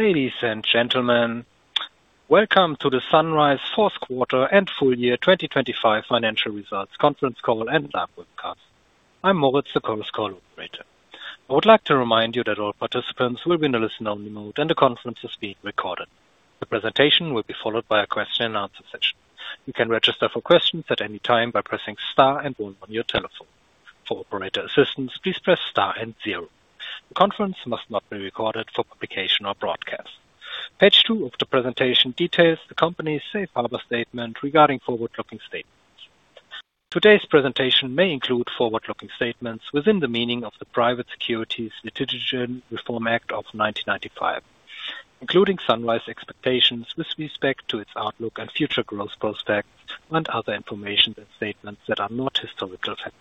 Ladies and gentlemen, welcome to the Sunrise fourth quarter and full year 2025 financial results conference call and live webcast. I'm Moritz, the conference call operator. I would like to remind you that all participants will be in a listen only mode, and the conference is being recorded. The presentation will be followed by a question and answer session. You can register for questions at any time by pressing star and one on your telephone. For operator assistance, please press star and zero. The conference must not be recorded for publication or broadcast. Page 2 of the presentation details the company's safe harbor statement regarding forward-looking statements. Today's presentation may include forward-looking statements within the meaning of the Private Securities Litigation Reform Act of 1995, including Sunrise expectations with respect to its outlook and future growth prospects, and other information and statements that are not historical facts.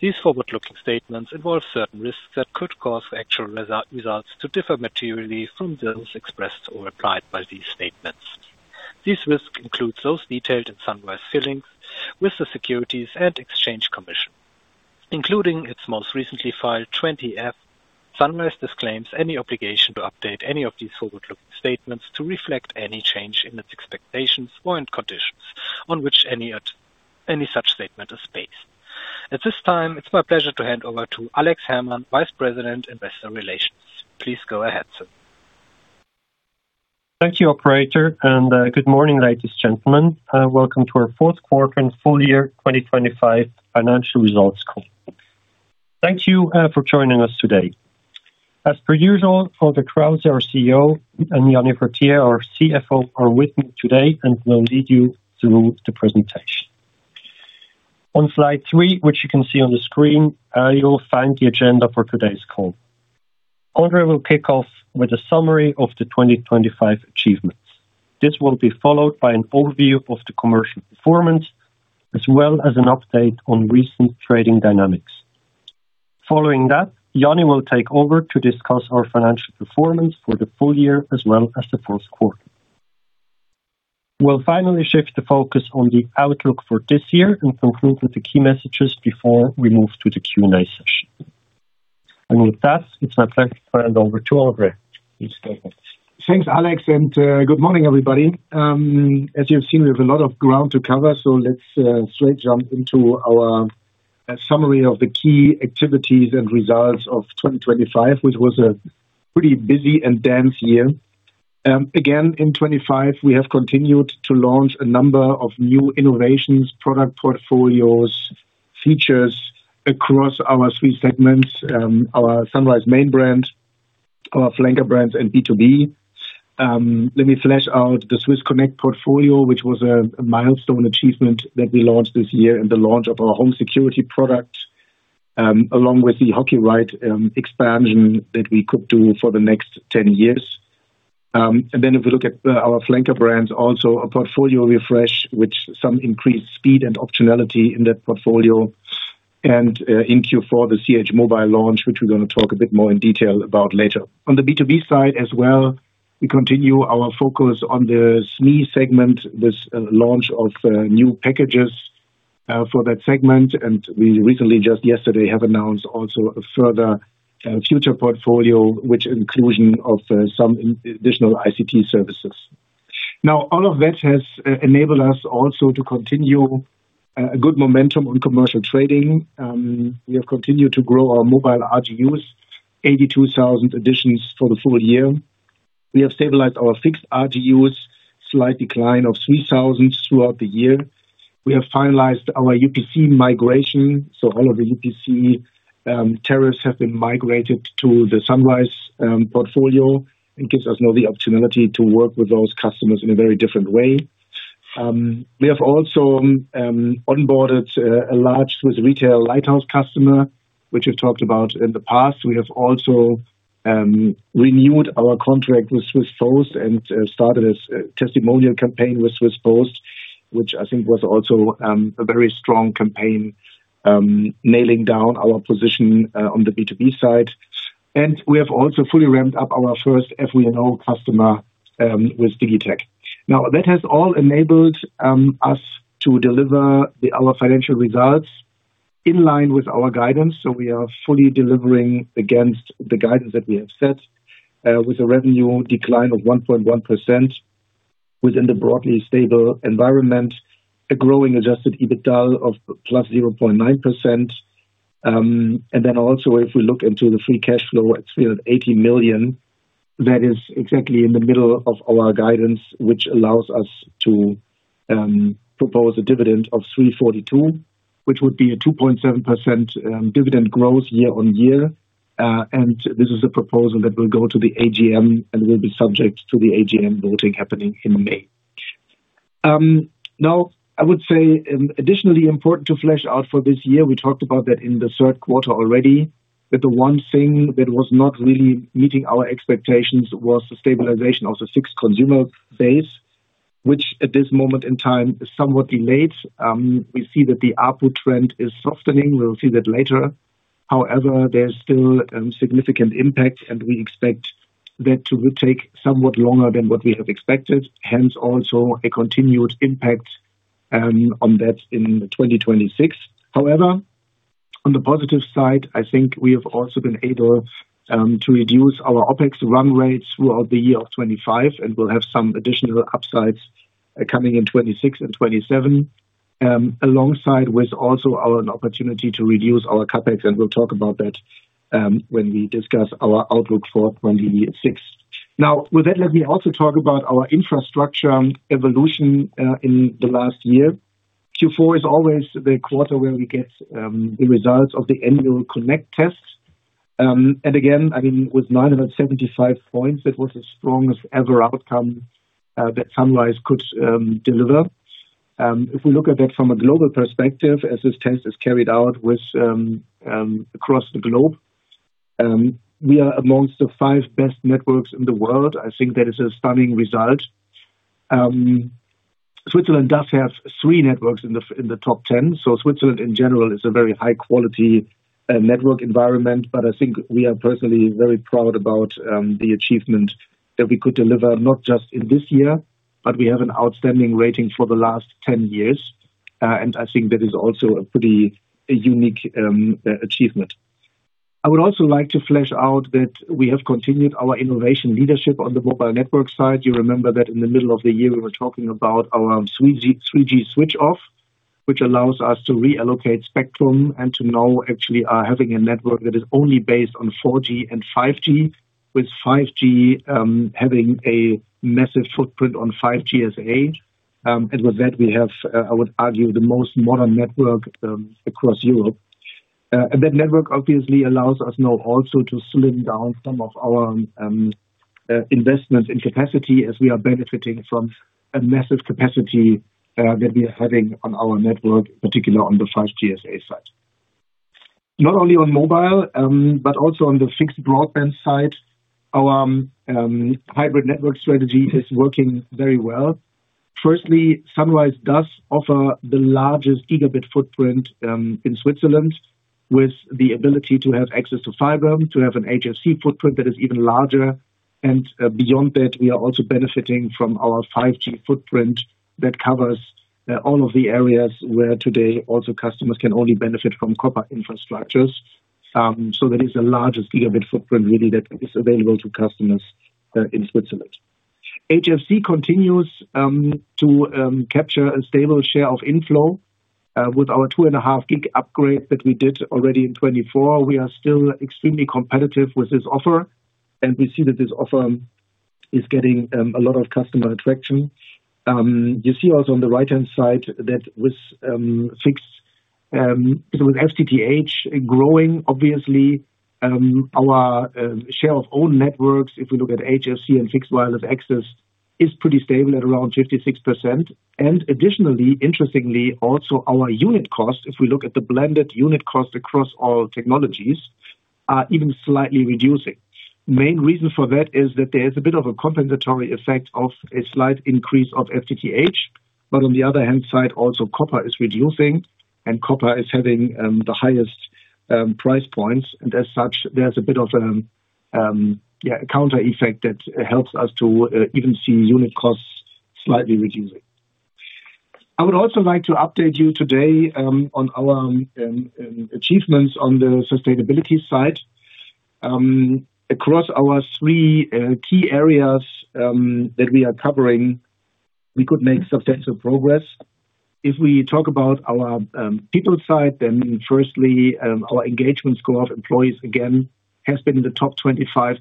These forward-looking statements involve certain risks that could cause actual results to differ materially from those expressed or implied by these statements. These risks include those detailed in Sunrise filings with the Securities and Exchange Commission, including its most recently filed 20-F. Sunrise disclaims any obligation to update any of these forward-looking statements to reflect any change in its expectations or in conditions on which any such statement is based. At this time, it's my pleasure to hand over to Alex Herrmann, Vice President, Investor Relations. Please go ahead, sir. Thank you, operator, and good morning, ladies and gentlemen, welcome to our fourth quarter and full year 2025 financial results call. Thank you for joining us today. As per usual, for the crowds, our CEO and Jany Fruytier, our CFO, are with me today and will lead you through the presentation. On slide 3, which you can see on the screen, you'll find the agenda for today's call. André will kick off with a summary of the 2025 achievements. This will be followed by an overview of the commercial performance, as well as an update on recent trading dynamics. Following that, Jany will take over to discuss our financial performance for the full year as well as the fourth quarter. We'll finally shift the focus on the outlook for this year and conclude with the key messages before we move to the Q&A session. With that, it's my pleasure to hand over to André. Please go ahead. Thanks, Alex, and good morning, everybody. As you've seen, we have a lot of ground to cover, so let's straight jump into our summary of the key activities and results of 2025, which was a pretty busy and dense year. Again, in 2025, we have continued to launch a number of new innovations, product portfolios, features across our three segments, our Sunrise main brand, our Flanker brands, and B2B. Let me flesh out the Swiss Connect portfolio, which was a milestone achievement that we launched this year, and the launch of our home security product, along with the Hockey Ride expansion that we could do for the next ten years. If we look at our Flanker brands, also a portfolio refresh, with some increased speed and optionality in that portfolio. In Q4, the CH Mobile launch, which we're going to talk a bit more in detail about later. On the B2B side as well, we continue our focus on the SME segment, this launch of new packages for that segment, and we recently, just yesterday, have announced also a further future portfolio, which inclusion of some additional ICT services. Now, all of that has enabled us also to continue a good momentum on commercial trading. We have continued to grow our mobile RGUs, 82,000 additions for the full year. We have stabilized our fixed RGUs, slight decline of 3,000 throughout the year. We have finalized our UPC migration, so all of the UPC tariffs have been migrated to the Sunrise portfolio. It gives us now the opportunity to work with those customers in a very different way. We have also onboarded a large Swiss retail lighthouse customer, which we've talked about in the past. We have also renewed our contract with Swiss Post and started a testimonial campaign with Swiss Post, which I think was also a very strong campaign, nailing down our position on the B2B side. We have also fully ramped up our first FVNO customer with Digitec. That has all enabled us to deliver our financial results in line with our guidance, so we are fully delivering against the guidance that we have set, with a revenue decline of 1.1% within the broadly stable environment, a growing adjusted EBITDA of +0.9%. If we look into the free cash flow, it's still at 80 million. That is exactly in the middle of our guidance, which allows us to propose a dividend of 3.42, which would be a 2.7% dividend growth year-over-year. This is a proposal that will go to the AGM and will be subject to the AGM voting happening in May. I would say, additionally important to flesh out for this year, we talked about that in the third quarter already, that the one thing that was not really meeting our expectations was the stabilization of the fixed consumer base, which at this moment in time, is somewhat delayed. We see that the output trend is softening. We'll see that later. However, there's still significant impact, and we expect that to take somewhat longer than what we have expected, hence, also a continued impact on that in 2026. However. On the positive side, I think we have also been able to reduce our OpEx run rate throughout the year of 2025, and we'll have some additional upsides coming in 2026 and 2027. Alongside with also our opportunity to reduce our CapEx, and we'll talk about that when we discuss our outlook for 2026. Now, with that, let me also talk about our infrastructure evolution in the last year. Q4 is always the quarter where we get the results of the annual connect test. And again, I mean, with 975 points, it was the strongest ever outcome that Sunrise could deliver. If we look at it from a global perspective, as this test is carried out across the globe, we are amongst the five best networks in the world. I think that is a stunning result. Switzerland does have three networks in the top 10, so Switzerland, in general, is a very high quality network environment. But I think we are personally very proud about the achievement that we could deliver, not just in this year, but we have an outstanding rating for the last 10 years. And I think that is also a pretty unique achievement. I would also like to flesh out that we have continued our innovation leadership on the mobile network side. You remember that in the middle of the year, we were talking about our 3G, 3G switch off, which allows us to reallocate spectrum and to now actually having a network that is only based on 4G and 5G, with 5G having a massive footprint on 5G SA. And with that, we have, I would argue, the most modern network across Europe. And that network obviously allows us now also to slim down some of our investments in capacity as we are benefiting from a massive capacity that we are having on our network, particularly on the 5G SA side. Not only on mobile, but also on the fixed broadband side, our hybrid network strategy is working very well. Firstly, Sunrise does offer the largest gigabit footprint in Switzerland, with the ability to have access to fiber, to have an HFC footprint that is even larger. And beyond that, we are also benefiting from our 5G footprint that covers all of the areas where today, also customers can only benefit from copper infrastructures. So that is the largest gigabit footprint really that is available to customers in Switzerland. HFC continues to capture a stable share of inflow with our 2.5 gig upgrade that we did already in 2024. We are still extremely competitive with this offer, and we see that this offer is getting a lot of customer attraction. You see also on the right-hand side that with fixed with FTTH growing, obviously, our share of own networks, if we look at HFC and fixed wireless access, is pretty stable at around 56%. Additionally, interestingly, also our unit cost, if we look at the blended unit cost across all technologies, are even slightly reducing. Main reason for that is that there is a bit of a compensatory effect of a slight increase of FTTH, but on the other hand side, also, copper is reducing, and copper is having the highest price points. And as such, there's a bit of yeah, a counter effect that helps us to even see unit costs slightly reducing. I would also like to update you today on our achievements on the sustainability side. Across our three key areas that we are covering, we could make substantial progress. If we talk about our people side, then firstly, our engagement score of employees, again, has been in the top 25%,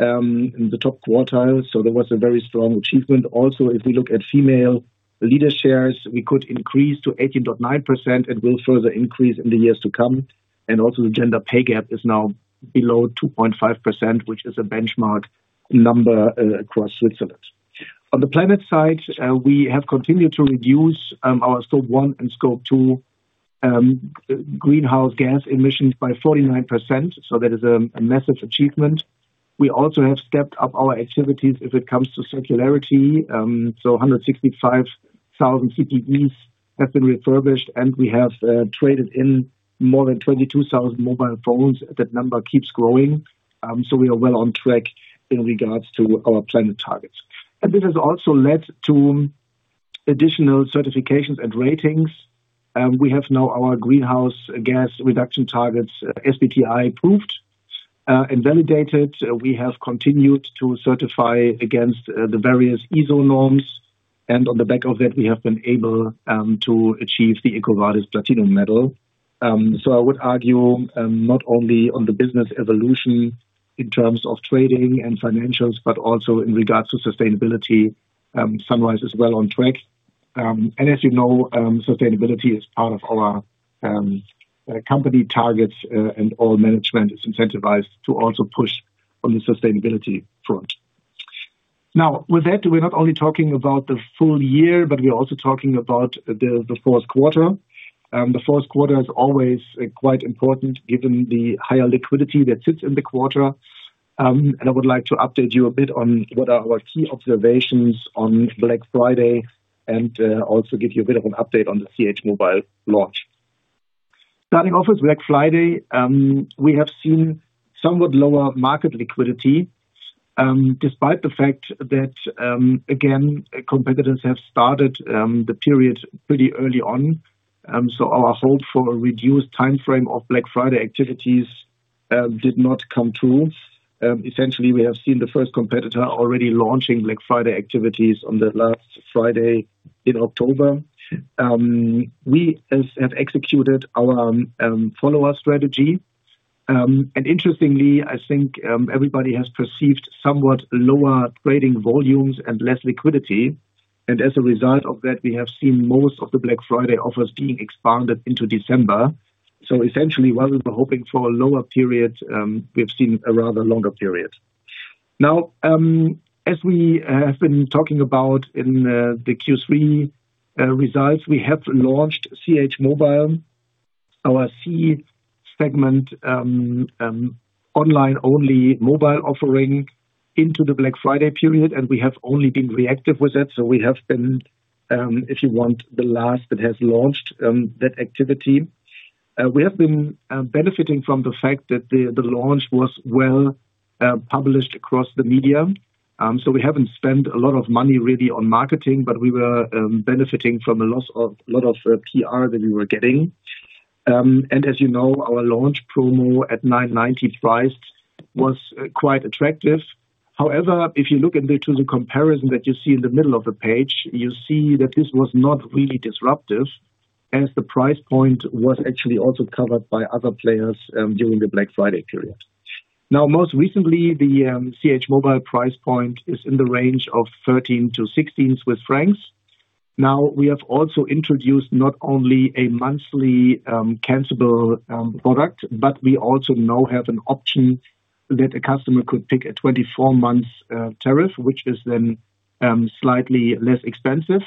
in the top quartile, so there was a very strong achievement. Also, if we look at female leader shares, we could increase to 18.9% and will further increase in the years to come. Also, the gender pay gap is now below 2.5%, which is a benchmark number across Switzerland. On the planet side, we have continued to reduce our scope one and scope two greenhouse gas emissions by 49%, so that is a massive achievement. We also have stepped up our activities as it comes to circularity. So 165,000 CPEs have been refurbished, and we have traded in more than 22,000 mobile phones. That number keeps growing, so we are well on track in regards to our planet targets. And this has also led to additional certifications and ratings. We have now our greenhouse gas reduction targets, SBTI approved, and validated. We have continued to certify against the various ISO norms, and on the back of that, we have been able to achieve the EcoVadis Platinum Medal. So I would argue, not only on the business evolution in terms of trading and financials, but also in regards to sustainability, Sunrise is well on track. And as you know, sustainability is part of our company targets, and all management is incentivized to also push on the sustainability front. Now, with that, we're not only talking about the full year, but we are also talking about the fourth quarter. The fourth quarter is always quite important, given the higher liquidity that sits in the quarter. And I would like to update you a bit on what are our key observations on Black Friday, and also give you a bit of an update on the CH Mobile launch. Starting off with Black Friday, we have seen somewhat lower market liquidity, despite the fact that, again, competitors have started the period pretty early on. So our hope for a reduced timeframe of Black Friday activities did not come true. Essentially, we have seen the first competitor already launching Black Friday activities on the last Friday in October. We as have executed our follower strategy. Interestingly, I think everybody has perceived somewhat lower trading volumes and less liquidity, and as a result of that, we have seen most of the Black Friday offers being expanded into December. Essentially, while we were hoping for a lower period, we have seen a rather longer period. As we have been talking about in the Q3 results, we have launched CH Mobile, our C segment online-only mobile offering into the Black Friday period, and we have only been reactive with it. We have been, if you want, the last that has launched that activity. We have been benefiting from the fact that the launch was well published across the media. So we haven't spent a lot of money really on marketing, but we were benefiting from a lot of PR that we were getting. And as you know, our launch promo at 9.90 CHF price was quite attractive. However, if you look into the comparison that you see in the middle of the page, you see that this was not really disruptive, as the price point was actually also covered by other players during the Black Friday period. Now, most recently, the CH Mobile price point is in the range of 13-16 Swiss francs. Now, we have also introduced not only a monthly cancelable product, but we also now have an option that a customer could pick a 24-month tariff, which is then slightly less expensive.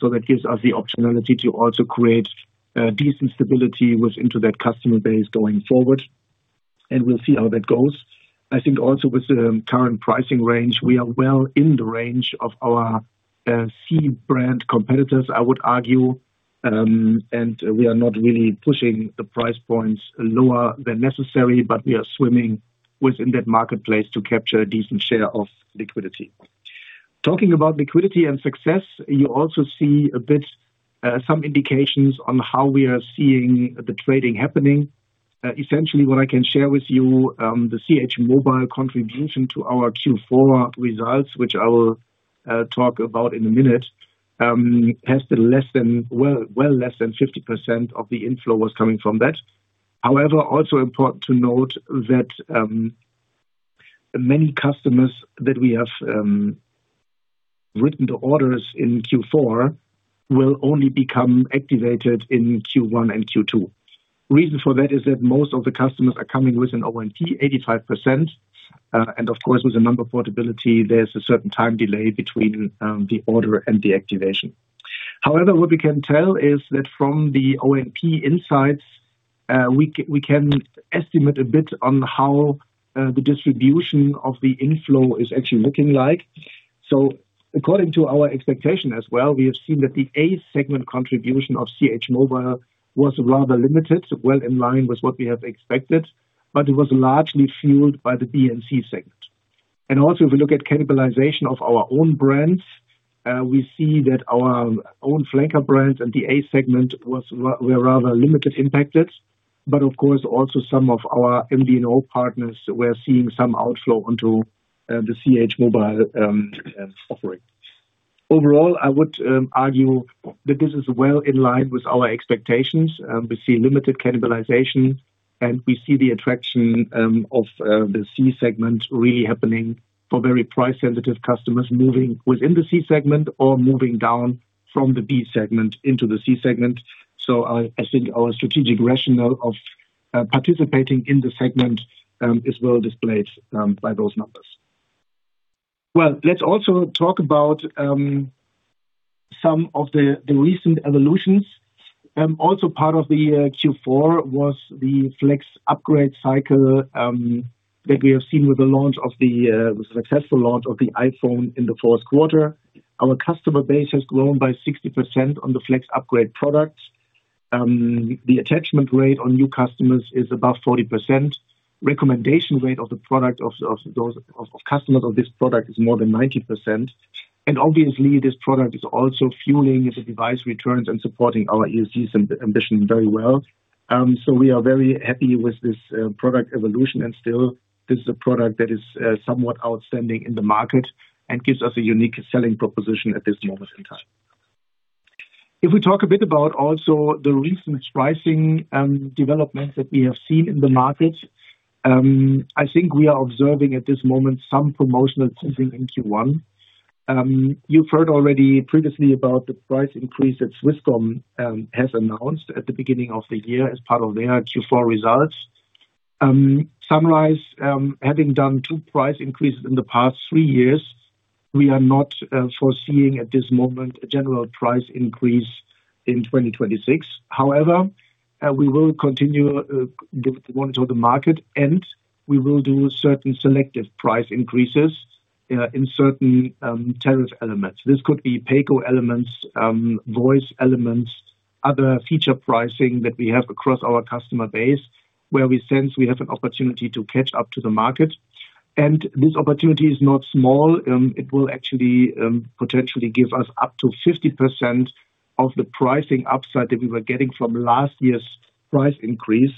So that gives us the optionality to also create decent stability with into that customer base going forward, and we'll see how that goes. I think also with the current pricing range, we are well in the range of our C brand competitors, I would argue. We are not really pushing the price points lower than necessary, but we are swimming within that marketplace to capture a decent share of liquidity. Talking about liquidity and success, you also see a bit some indications on how we are seeing the trading happening. Essentially, what I can share with you, the CH Mobile contribution to our Q4 results, which I will talk about in a minute, has been less than... well less than 50% of the inflow was coming from that. However, also important to note that, many customers that we have written the orders in Q4, will only become activated in Q1 and Q2. Reason for that, is that most of the customers are coming with an ONT, 85%. And of course, with the number portability, there's a certain time delay between, the order and the activation. However, what we can tell is that from the ONT insights, we can estimate a bit on how, the distribution of the inflow is actually looking like. So according to our expectation as well, we have seen that the A segment contribution of CH Mobile was rather limited, well in line with what we have expected, but it was largely fueled by the B and C segment. And also, if we look at cannibalization of our own brands, we see that our own flanker brands and the A segment were rather limited impacted. But of course, also some of our MD&O partners were seeing some outflow onto the CH Mobile offering. Overall, I would argue that this is well in line with our expectations. We see limited cannibalization, and we see the attraction of the C segment really happening for very price-sensitive customers moving within the C segment or moving down from the B segment into the C segment. So I think our strategic rationale of participating in the segment is well displayed by those numbers. Well, let's also talk about some of the recent evolutions. Also part of the Q4 was the flex upgrade cycle that we have seen with the launch of the successful launch of the iPhone in the fourth quarter. Our customer base has grown by 60% on the flex upgrade products. The attachment rate on new customers is above 40%. Recommendation rate of the product, of those, of customers of this product is more than 90%. Obviously, this product is also fueling the device returns and supporting our ECS ambition very well. We are very happy with this product evolution, and still, this is a product that is somewhat outstanding in the market and gives us a unique selling proposition at this moment in time. If we talk a bit about also the recent pricing, developments that we have seen in the market, I think we are observing at this moment some promotional activity in Q1. You've heard already previously about the price increase that Swisscom has announced at the beginning of the year as part of their Q4 results. Summarize, having done two price increases in the past three years, we are not foreseeing at this moment a general price increase in 2026. However, we will continue to monitor the market, and we will do certain selective price increases. Yeah, in certain tariff elements. This could be payco elements, voice elements, other feature pricing that we have across our customer base, where we sense we have an opportunity to catch up to the market. This opportunity is not small. It will actually potentially give us up to 50% of the pricing upside that we were getting from last year's price increase.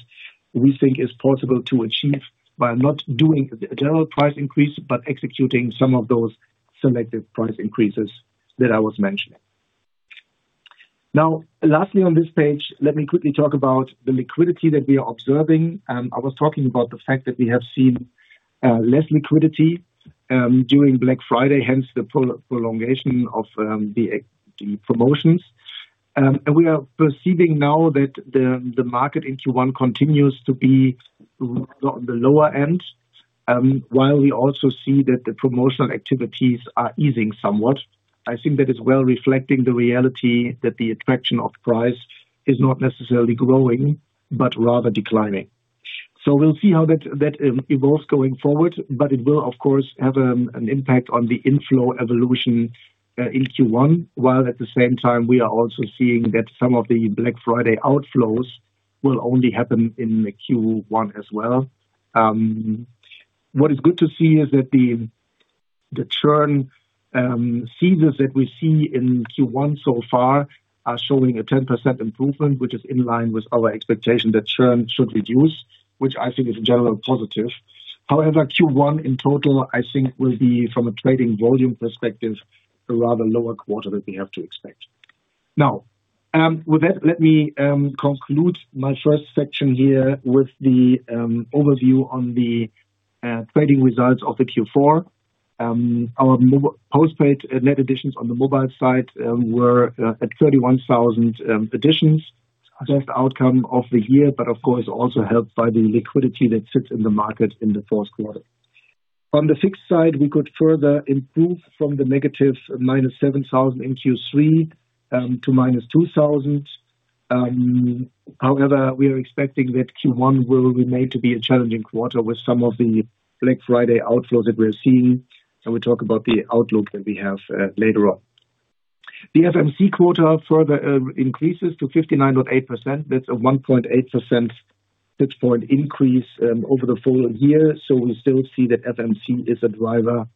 We think it's possible to achieve by not doing the general price increase, but executing some of those selective price increases that I was mentioning. Now, lastly, on this page, let me quickly talk about the liquidity that we are observing. I was talking about the fact that we have seen less liquidity during Black Friday, hence the prolongation of the promotions. And we are perceiving now that the market in Q1 continues to be on the lower end, while we also see that the promotional activities are easing somewhat. I think that is well reflecting the reality that the attraction of price is not necessarily growing, but rather declining. So we'll see how that evolves going forward, but it will, of course, have an impact on the inflow evolution in Q1, while at the same time, we are also seeing that some of the Black Friday outflows will only happen in the Q1 as well. What is good to see is that the churn seasons that we see in Q1 so far are showing a 10% improvement, which is in line with our expectation that churn should reduce, which I think is in general positive. However, Q1 in total, I think, will be, from a trading volume perspective, a rather lower quarter that we have to expect. Now, with that, let me conclude my first section here with the overview on the trading results of the Q4. Our postpaid net additions on the mobile side were at 31,000 additions. Best outcome of the year, but of course, also helped by the liquidity that sits in the market in the fourth quarter. On the fixed side, we could further improve from the negative -7,000 in Q3 to -2,000. However, we are expecting that Q1 will remain to be a challenging quarter with some of the Black Friday outflows that we're seeing, and we'll talk about the outlook that we have later on. The FMC quarter further increases to 59.8%. That's a 1.8 percentage point increase over the full year. So we still see that FMC is a driver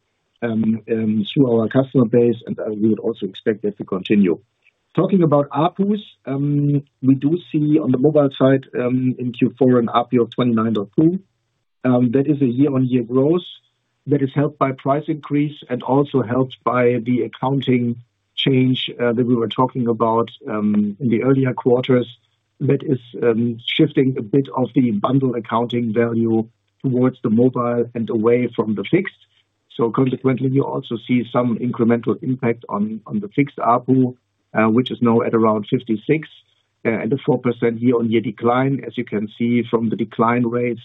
to our customer base, and we would also expect that to continue. Talking about ARPU, we do see on the mobile side, in Q4, an ARPU of 29.2. That is a year-on-year growth that is helped by price increase and also helped by the accounting change that we were talking about in the earlier quarters. That is shifting a bit of the bundle accounting value towards the mobile and away from the fixed. So consequently, you also see some incremental impact on the fixed ARPU, which is now at around 56, and a 4% year-on-year decline. As you can see from the decline rates,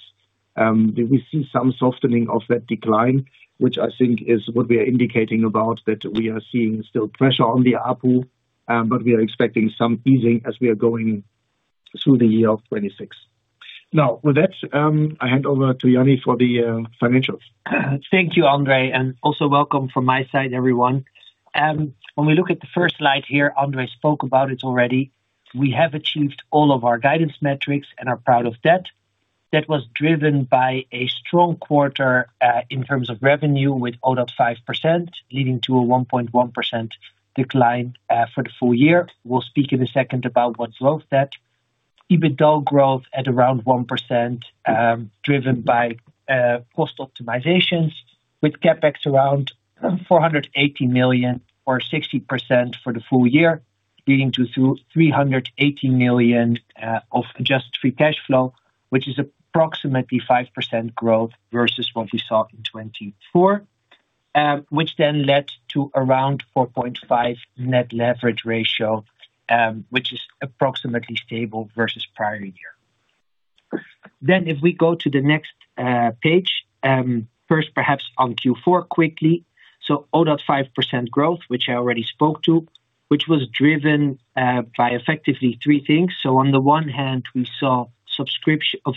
we see some softening of that decline, which I think is what we are indicating about, that we are seeing still pressure on the ARPU, but we are expecting some easing as we are going through the year of 2026. Now, with that, I hand over to Jany for the financials. Thank you, André, and also welcome from my side, everyone. When we look at the first slide here, André spoke about it already. We have achieved all of our guidance metrics and are proud of that. That was driven by a strong quarter in terms of revenue with 0.5%, leading to a 1.1% decline for the full year. We'll speak in a second about what drove that. EBITDA growth at around 1%, driven by cost optimizations, with CapEx around 480 million or 60% for the full year, leading to 380 million of adjusted free cash flow, which is approximately 5% growth versus what we saw in 2024. Which then led to around 4.5 net leverage ratio, which is approximately stable versus prior year. If we go to the next page, first, perhaps on Q4 quickly. Zero point five percent growth, which I already spoke to, which was driven by effectively three things. On the one hand, we saw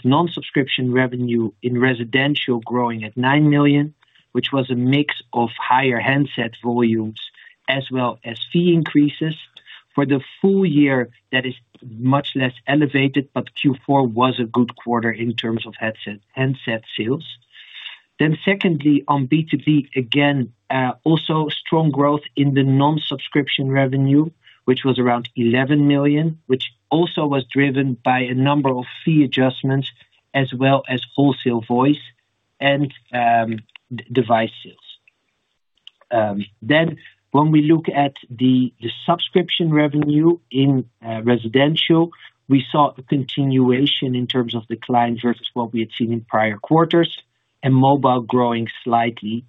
non-subscription revenue in residential growing at 9 million, which was a mix of higher handset volumes as well as fee increases. For the full year, that is much less elevated, but Q4 was a good quarter in terms of handset sales. Secondly, on B2B, again, also strong growth in the non-subscription revenue, which was around 11 million, which also was driven by a number of fee adjustments, as well as wholesale voice and device sales. Then, when we look at the subscription revenue in residential, we saw a continuation in terms of decline versus what we had seen in prior quarters, and mobile growing slightly.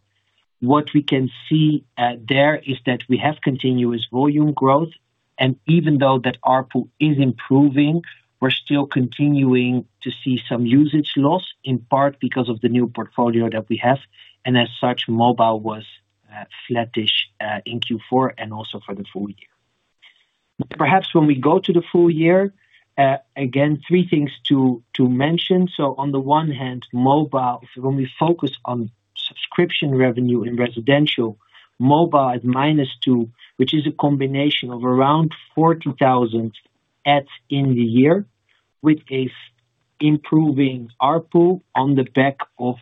What we can see there is that we have continuous volume growth, and even though that ARPU is improving, we're still continuing to see some usage loss, in part because of the new portfolio that we have, and as such, mobile was flattish in Q4 and also for the full year. Perhaps when we go to the full year, again, three things to mention. So on the one hand, mobile, so when we focus on subscription revenue in residential, mobile is -2, which is a combination of around 40,000 adds in the year, with an improving ARPU on the back of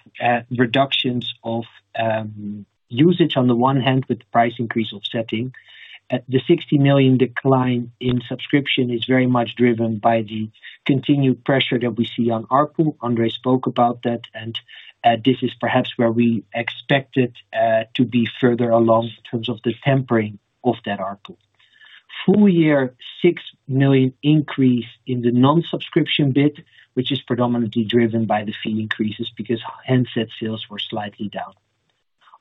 reductions of usage on the one hand, with the price increase of setting. At the 60 million decline in subscription is very much driven by the continued pressure that we see on ARPU. André spoke about that, and this is perhaps where we expected to be further along in terms of the tempering of that ARPU. Full year, 6 million increase in the non-subscription bit, which is predominantly driven by the fee increases because handset sales were slightly down.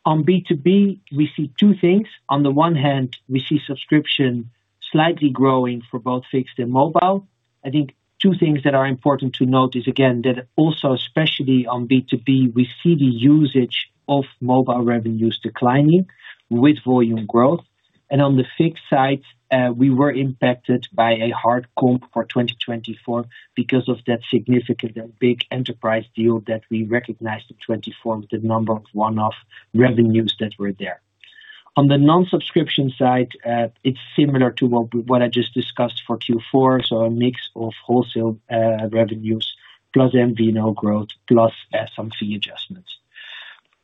On B2B, we see two things. On the one hand, we see subscription slightly growing for both fixed and mobile. I think two things that are important to note is, again, that also, especially on B2B, we see the usage of mobile revenues declining with volume growth. And on the fixed side, we were impacted by a hard comp for 2024 because of that significant and big enterprise deal that we recognized in 2024, with the number of one-off revenues that were there. On the non-subscription side, it's similar to what I just discussed for Q4, so a mix of wholesale revenues, plus MVNO growth, plus some fee adjustments.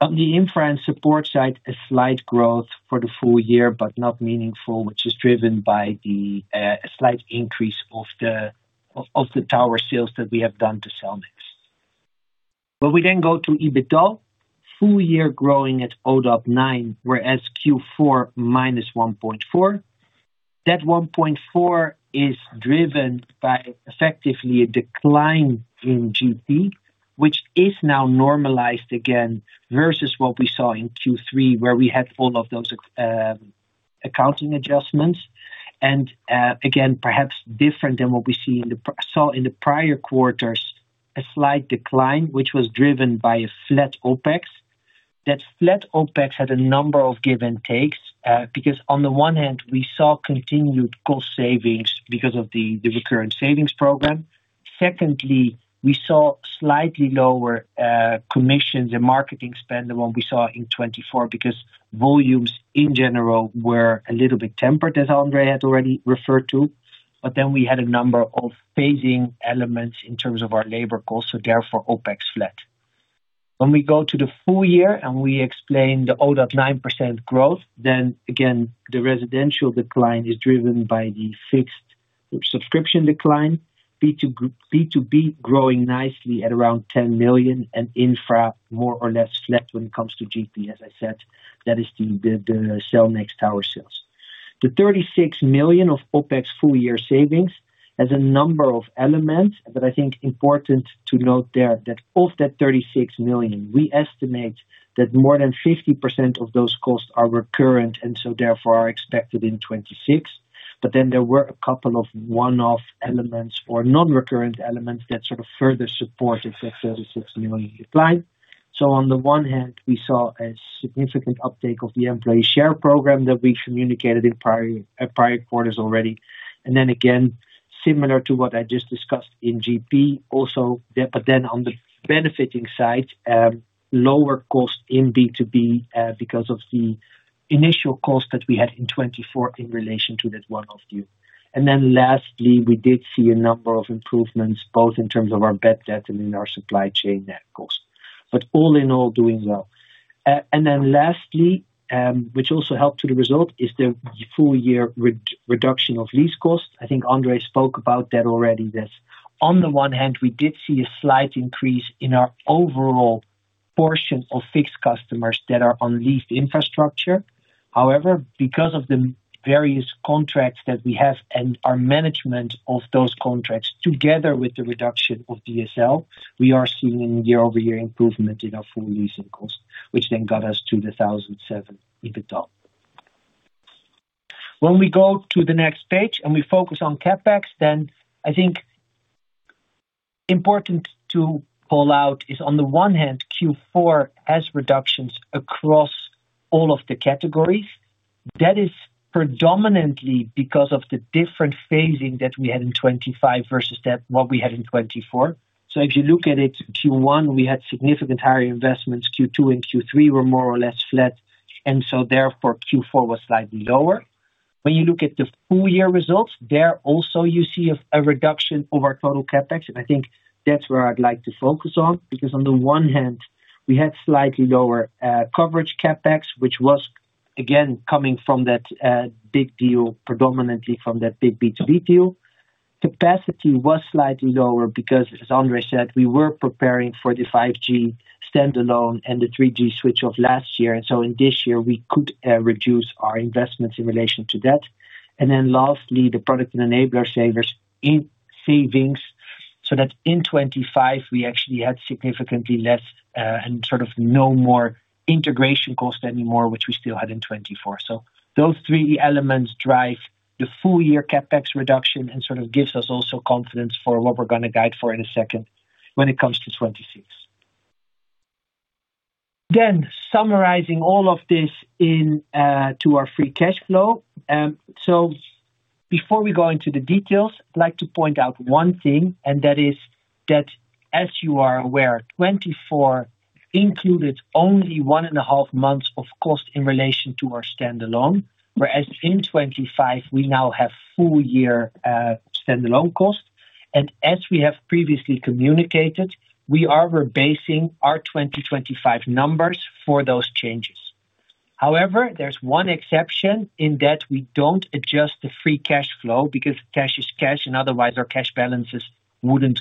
On the infra support side, a slight growth for the full year, but not meaningful, which is driven by a slight increase of the tower sales that we have done to sell this. We then go to EBITDA, full year growing at 0.9, whereas Q4 minus 1.4. That 1.4 is driven by effectively a decline in GP, which is now normalized again, versus what we saw in Q3, where we had all of those accounting adjustments. Again, perhaps different than what we saw in the prior quarters, a slight decline, which was driven by a flat OpEx. That flat OpEx had a number of give and takes, because on the one hand, we saw continued cost savings because of the recurrent savings program. Secondly, we saw slightly lower commissions and marketing spend than what we saw in 2024, because volumes in general were a little bit tempered, as André had already referred to. But then we had a number of phasing elements in terms of our labor costs, so therefore, OpEx flat. When we go to the full year and we explain the 0.9% growth, then again, the residential decline is driven by the fixed subscription decline. B2G- B2B growing nicely at around 10 million, and infra more or less flat when it comes to GP as I said, that is the, the, the Sellnext tower sales. The 36 million of OpEx full year savings has a number of elements, but I think important to note there, that of that 36 million, we estimate that more than 50% of those costs are recurrent, and so therefore are expected in 2026. But then there were a couple of one-off elements or non-recurrent elements that sort of further supported the 36 million decline. So on the one hand, we saw a significant uptake of the employee share program that we communicated in prior, prior quarters already. And then again, similar to what I just discussed in GP also, but then on the benefiting side, lower cost in B2B, because of the initial cost that we had in 2024 in relation to that one-off deal. And then lastly, we did see a number of improvements, both in terms of our bad debt and in our supply chain net cost. But all in all, doing well. And then lastly, which also helped to the result, is the full year reduction of lease costs. I think André spoke about that already, that on the one hand, we did see a slight increase in our overall portion of fixed customers that are on leased infrastructure. However, because of the various contracts that we have and our management of those contracts, together with the reduction of DSL, we are seeing year-over-year improvement in our full leasing costs, which then got us to the 1,007 EBITDA. When we go to the next page and we focus on CapEx, then I think important to call out is, on the one hand, Q4 has reductions across all of the categories. That is predominantly because of the different phasing that we had in 2025 versus that what we had in 2024. So if you look at it, Q1, we had significant higher investments. Q2 and Q3 were more or less flat, and so therefore, Q4 was slightly lower. When you look at the full year results, there also you see a reduction of our total CapEx, and I think that's where I'd like to focus on. Because on the one hand, we had slightly lower coverage CapEx, which was again coming from that big deal, predominantly from that big B2B deal. Capacity was slightly lower because, as André said, we were preparing for the 5G Standalone and the 3G switch off last year, and in this year we could reduce our investments in relation to that. Lastly, the product and enabler savings, so that in 2025 we actually had significantly less, and sort of no more integration cost anymore, which we still had in 2024. Those three elements drive the full year CapEx reduction and sort of gives us also confidence for what we're going to guide for in a second when it comes to 2026. Summarizing all of this into our free cash flow. So before we go into the details, I'd like to point out one thing, and that is that as you are aware, 2024 included only 1.5 months of cost in relation to our standalone. Whereas in 2025, we now have full year standalone costs. And as we have previously communicated, we are rebasing our 2025 numbers for those changes. However, there's one exception, in that we don't adjust the free cash flow because cash is cash, and otherwise our cash balances wouldn't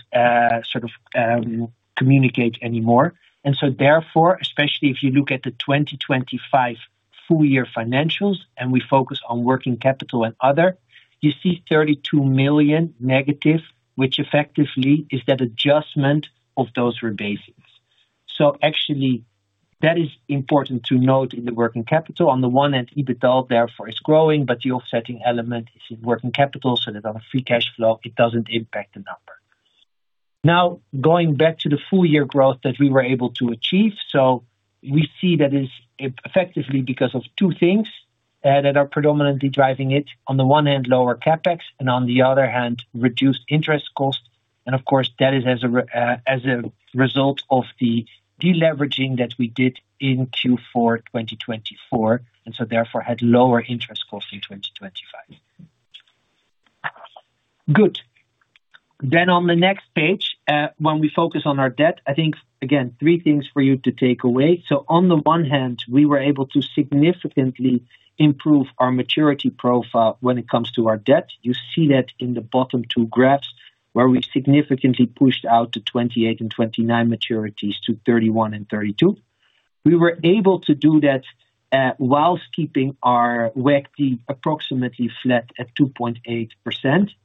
sort of communicate anymore. And so therefore, especially if you look at the 2025 full year financials and we focus on working capital and other, you see -32 million, which effectively is that adjustment of those rebasing. So actually that is important to note in the working capital. On the one hand, EBITDA, therefore, is growing, but the offsetting element is in working capital, so that on a free cash flow, it doesn't impact the number. Now, going back to the full year growth that we were able to achieve. So we see that is effectively because of two things, that are predominantly driving it. On the one hand, lower CapEx, and on the other hand, reduced interest costs. And of course, that is as a result of the deleveraging that we did in Q4, 2024, and so therefore, had lower interest costs in 2025. Good. Then on the next page, when we focus on our debt, I think, again, three things for you to take away. So on the one hand, we were able to significantly improve our maturity profile when it comes to our debt. You see that in the bottom two graphs, where we significantly pushed out to 2028 and 2029 maturities to 2031 and 2032. We were able to do that while keeping our WACC approximately flat at 2.8%.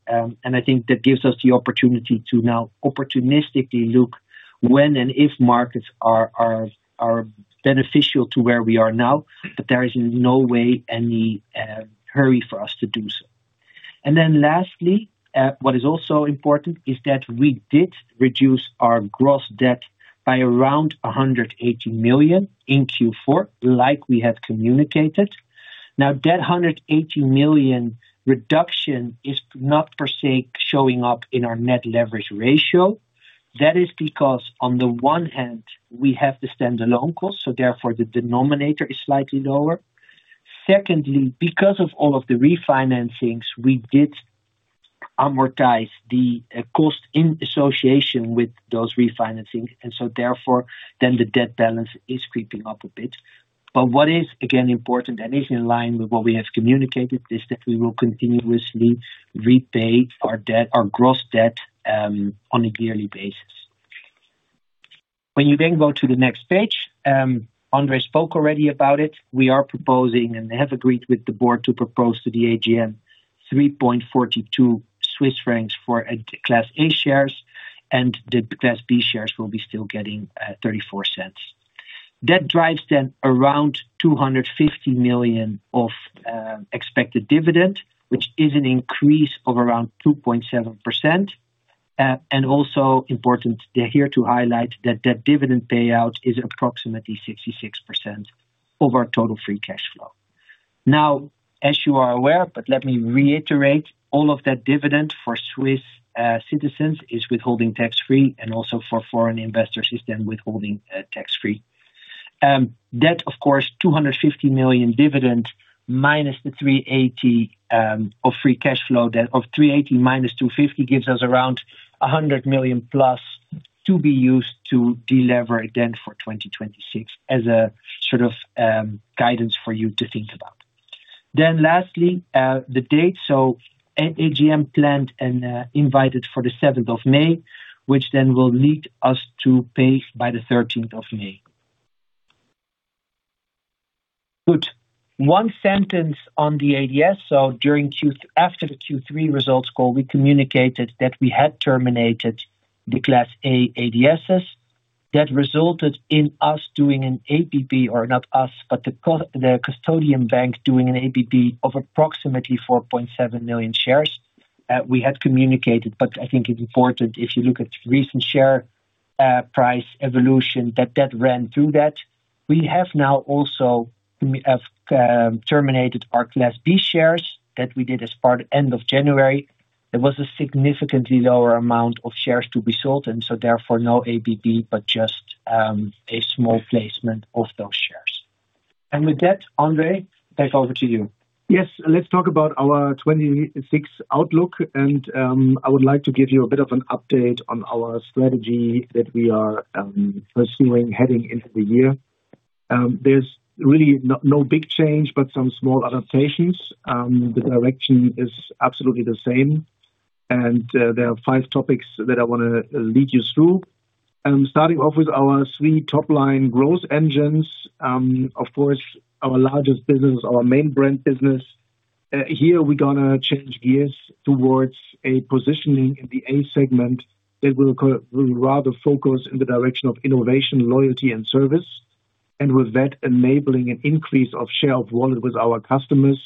And I think that gives us the opportunity to now opportunistically look when and if markets are beneficial to where we are now, but there is no way any hurry for us to do so. Then lastly, what is also important is that we did reduce our gross debt by around 180 million in Q4, like we have communicated. Now, that 180 million reduction is not per se showing up in our net leverage ratio. That is because, on the one hand, we have the standalone costs, so therefore the denominator is slightly lower. Secondly, because of all of the refinancings, we did amortize the cost in association with those refinancings, and so therefore, then the debt balance is creeping up a bit. But what is, again, important, and is in line with what we have communicated, is that we will continuously repay our debt, our gross debt, on a yearly basis. When you then go to the next page, André spoke already about it. We are proposing, and have agreed with the board, to propose to the AGM 3.42 Swiss francs for Class A shares, and the Class B shares will be still getting 0.34 CHF. That drives then around 250 million expected dividend, which is an increase of around 2.7%. And also important here to highlight that that dividend payout is approximately 66% over our total free cash flow. Now, as you are aware, but let me reiterate, all of that dividend for Swiss citizens is withholding tax-free, and also for foreign investors is then withholding tax-free. That, of course, 250 million dividend, minus the 380 of free cash flow, then of 380 minus 250, gives us around 100 million plus to be used to delever then for 2026, as a sort of guidance for you to think about. Then lastly, the date. So AGM planned and invited for the 7th of May, which then will lead us to pay by the 13th of May. Good. One sentence on the ADS. During the Q3 results call, we communicated that we had terminated the Class A ADSs. That resulted in us doing an APB, or not us, but the custodian bank, doing an APB of approximately 4.7 million shares. We had communicated, but I think it's important if you look at recent share price evolution, that that ran through that. We have now also terminated our Class B shares, that we did as part end of January. There was a significantly lower amount of shares to be sold, and so therefore, no APB, but just a small placement of those shares. With that, Andre, back over to you. Yes, let's talk about our 2026 outlook, and I would like to give you a bit of an update on our strategy that we are pursuing heading into the year. There's really no big change, but some small adaptations. The direction is absolutely the same, and there are five topics that I want to lead you through. Starting off with our three top-line growth engines. Of course, our largest business, our main brand business, here we're going to change gears towards a positioning in the A segment that will rather focus in the direction of innovation, loyalty, and service. And with that, enabling an increase of share of wallet with our customers,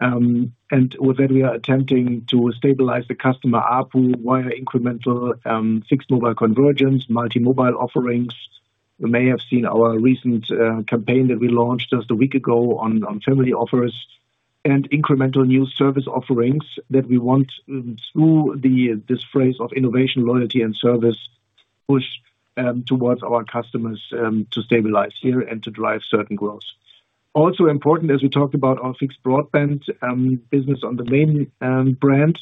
and with that, we are attempting to stabilize the customer ARPU via incremental fixed mobile convergence, multi-mobile offerings. You may have seen our recent campaign that we launched just a week ago on family offers and incremental new service offerings that we want, through this phase of innovation, loyalty, and service, push towards our customers to stabilize here and to drive certain growth. Also important, as we talked about our fixed broadband business on the main brand,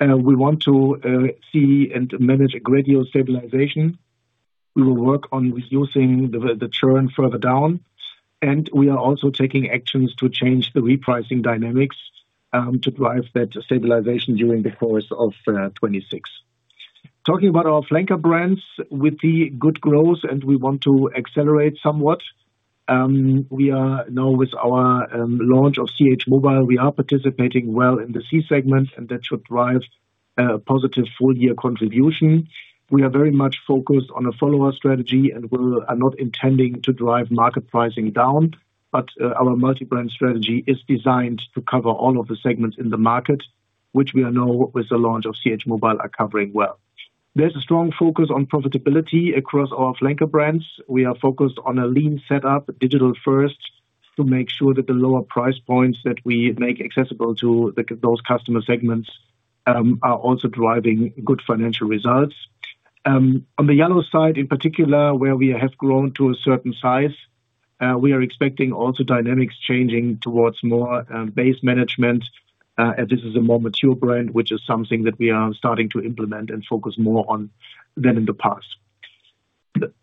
we want to see and manage a gradual stabilization. We will work on reducing the churn further down, and we are also taking actions to change the repricing dynamics to drive that stabilization during the course of 2026. Talking about our flanker brands with the good growth, and we want to accelerate somewhat. We are now with our launch of CH Mobile, we are participating well in the C-segment, and that should drive positive full year contribution. We are very much focused on a follower strategy, and we are not intending to drive market pricing down, but our multi-brand strategy is designed to cover all of the segments in the market, which we are now, with the launch of CH Mobile, are covering well. There's a strong focus on profitability across our flanker brands. We are focused on a lean setup, digital first, to make sure that the lower price points that we make accessible to those customer segments are also driving good financial results. On the yallo side, in particular, where we have grown to a certain size, we are expecting also dynamics changing towards more base management, as this is a more mature brand, which is something that we are starting to implement and focus more on than in the past.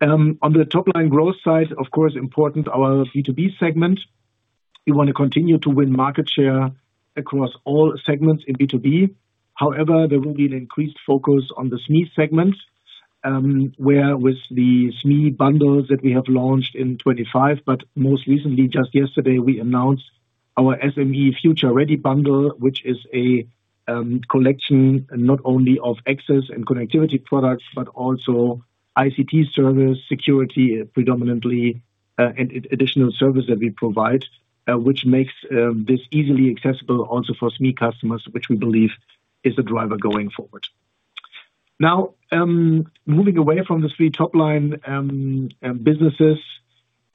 On the top line growth side, of course, important, our B2B segment. We want to continue to win market share across all segments in B2B. However, there will be an increased focus on the SME segment, where with the SME bundles that we have launched in 2025, but most recently, just yesterday, we announced our SME future-ready bundle, which is a collection, not only of access and connectivity products, but also ICT service, security, predominantly, and additional service that we provide, which makes this easily accessible also for SME customers, which we believe is a driver going forward. Now, moving away from the three top line businesses,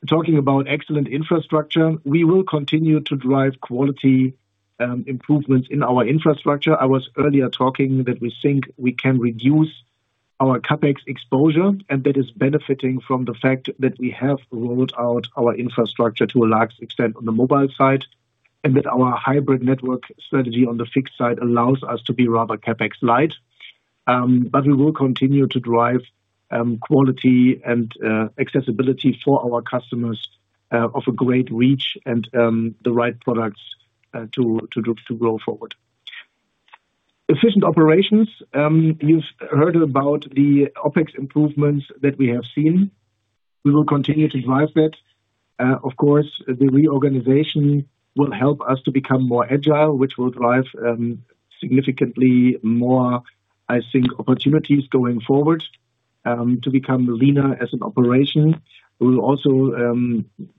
talking about excellent infrastructure, we will continue to drive quality improvements in our infrastructure. I was earlier talking that we think we can reduce our CapEx exposure, and that is benefiting from the fact that we have rolled out our infrastructure to a large extent on the mobile side, and that our hybrid network strategy on the fixed side allows us to be rather CapEx light. But we will continue to drive quality and accessibility for our customers of a great reach and the right products to grow forward. Efficient operations. You've heard about the OpEx improvements that we have seen. We will continue to drive that. Of course, the reorganization will help us to become more agile, which will drive significantly more, I think, opportunities going forward to become leaner as an operation. We will also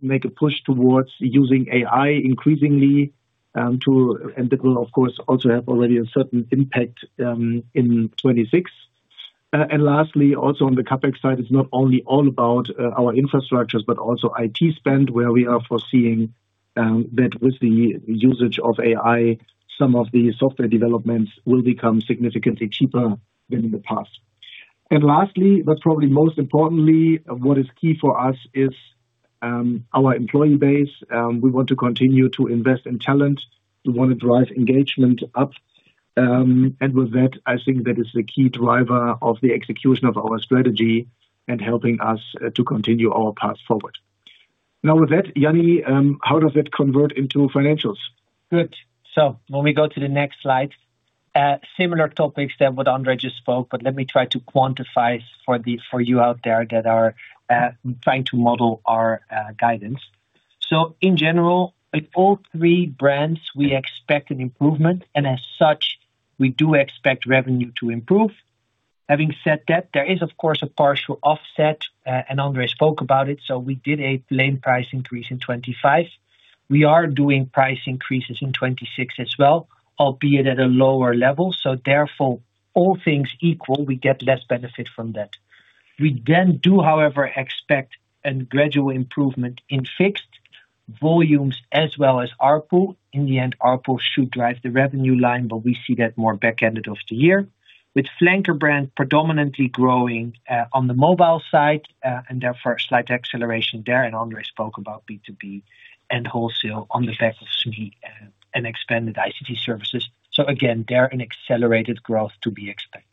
make a push towards using AI increasingly to... And that will, of course, also have already a certain impact in 2026. And lastly, also on the CapEx side, it's not only all about our infrastructures, but also IT spend, where we are foreseeing that with the usage of AI, some of the software developments will become significantly cheaper than in the past. And lastly, but probably most importantly, what is key for us is our employee base. We want to continue to invest in talent. We want to drive engagement up. And with that, I think that is the key driver of the execution of our strategy and helping us to continue our path forward. Now, with that, Jany, how does it convert into financials? Good. So when we go to the next slide, similar topics to what André just spoke, but let me try to quantify for the, for you out there that are trying to model our guidance. So in general, with all three brands, we expect an improvement, and as such, we do expect revenue to improve. Having said that, there is, of course, a partial offset, and André spoke about it, so we did a plan price increase in 2025. We are doing price increases in 2026 as well, albeit at a lower level, so therefore, all things equal, we get less benefit from that. We then do, however, expect a gradual improvement in fixed volumes as well as ARPU. In the end, ARPU should drive the revenue line, but we see that more back-ended of the year, with flanker brand predominantly growing on the mobile side, and therefore, a slight acceleration there. André spoke about B2B and wholesale on the back of SME and expanded ICT services. Again, there's an accelerated growth to be expected.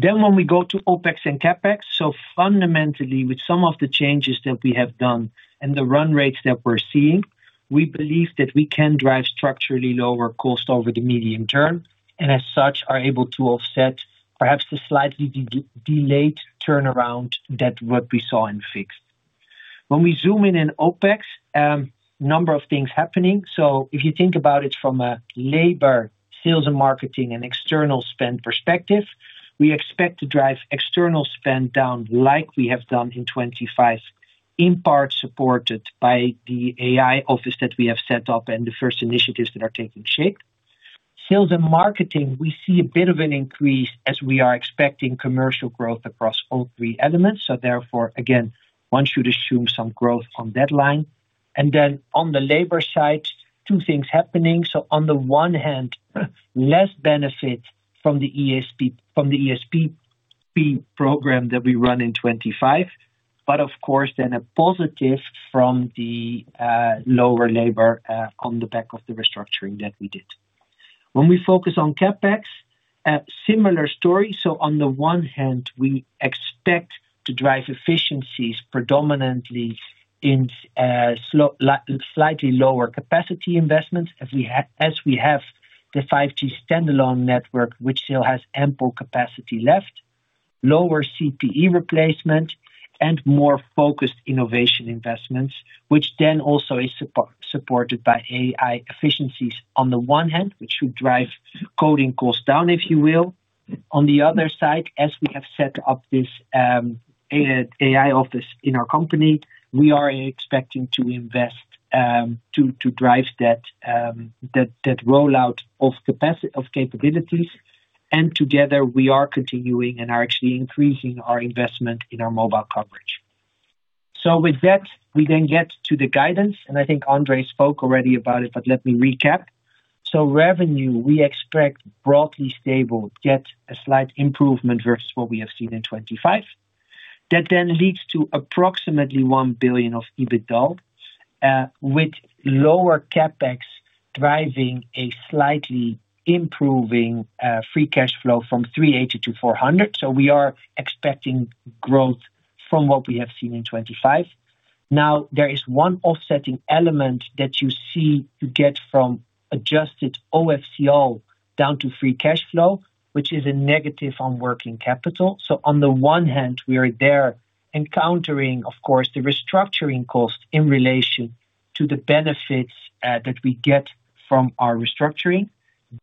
When we go to OpEx and CapEx, fundamentally, with some of the changes that we have done and the run rates that we're seeing, we believe that we can drive structurally lower cost over the medium term, and as such, are able to offset perhaps the slightly delayed turnaround than what we saw in fixed. When we zoom in on OpEx, number of things happening. So if you think about it from a labor, sales and marketing, and external spend perspective, we expect to drive external spend down like we have done in 2025, in part supported by the AI office that we have set up and the first initiatives that are taking shape. Sales and marketing, we see a bit of an increase as we are expecting commercial growth across all three elements. So therefore, again, one should assume some growth on that line. And then on the labor side, two things happening. So on the one hand, less benefit from the ESP, from the ESP program that we run in 2025. But of course, then a positive from the lower labor on the back of the restructuring that we did. When we focus on CapEx, a similar story. So on the one hand, we expect to drive efficiencies predominantly in slightly lower capacity investments. As we have the 5G standalone network, which still has ample capacity left, lower CPE replacement and more focused innovation investments, which then also is supported by AI efficiencies on the one hand, which should drive coding costs down, if you will. On the other side, as we have set up this AI office in our company, we are expecting to invest to drive that rollout of capabilities. And together, we are continuing and are actually increasing our investment in our mobile coverage. So with that, we then get to the guidance, and I think André spoke already about it, but let me recap. Revenue, we expect broadly stable, yet a slight improvement versus what we have seen in 2025. That then leads to approximately 1 billion of EBITDA, with lower CapEx, driving a slightly improving free cash flow from 380 million to 400 million. We are expecting growth from what we have seen in 2025. Now, there is one offsetting element that you see to get from adjusted OFCF down to free cash flow, which is a negative on working capital. On the one hand, we are there encountering, of course, the restructuring cost in relation to the benefits that we get from our restructuring.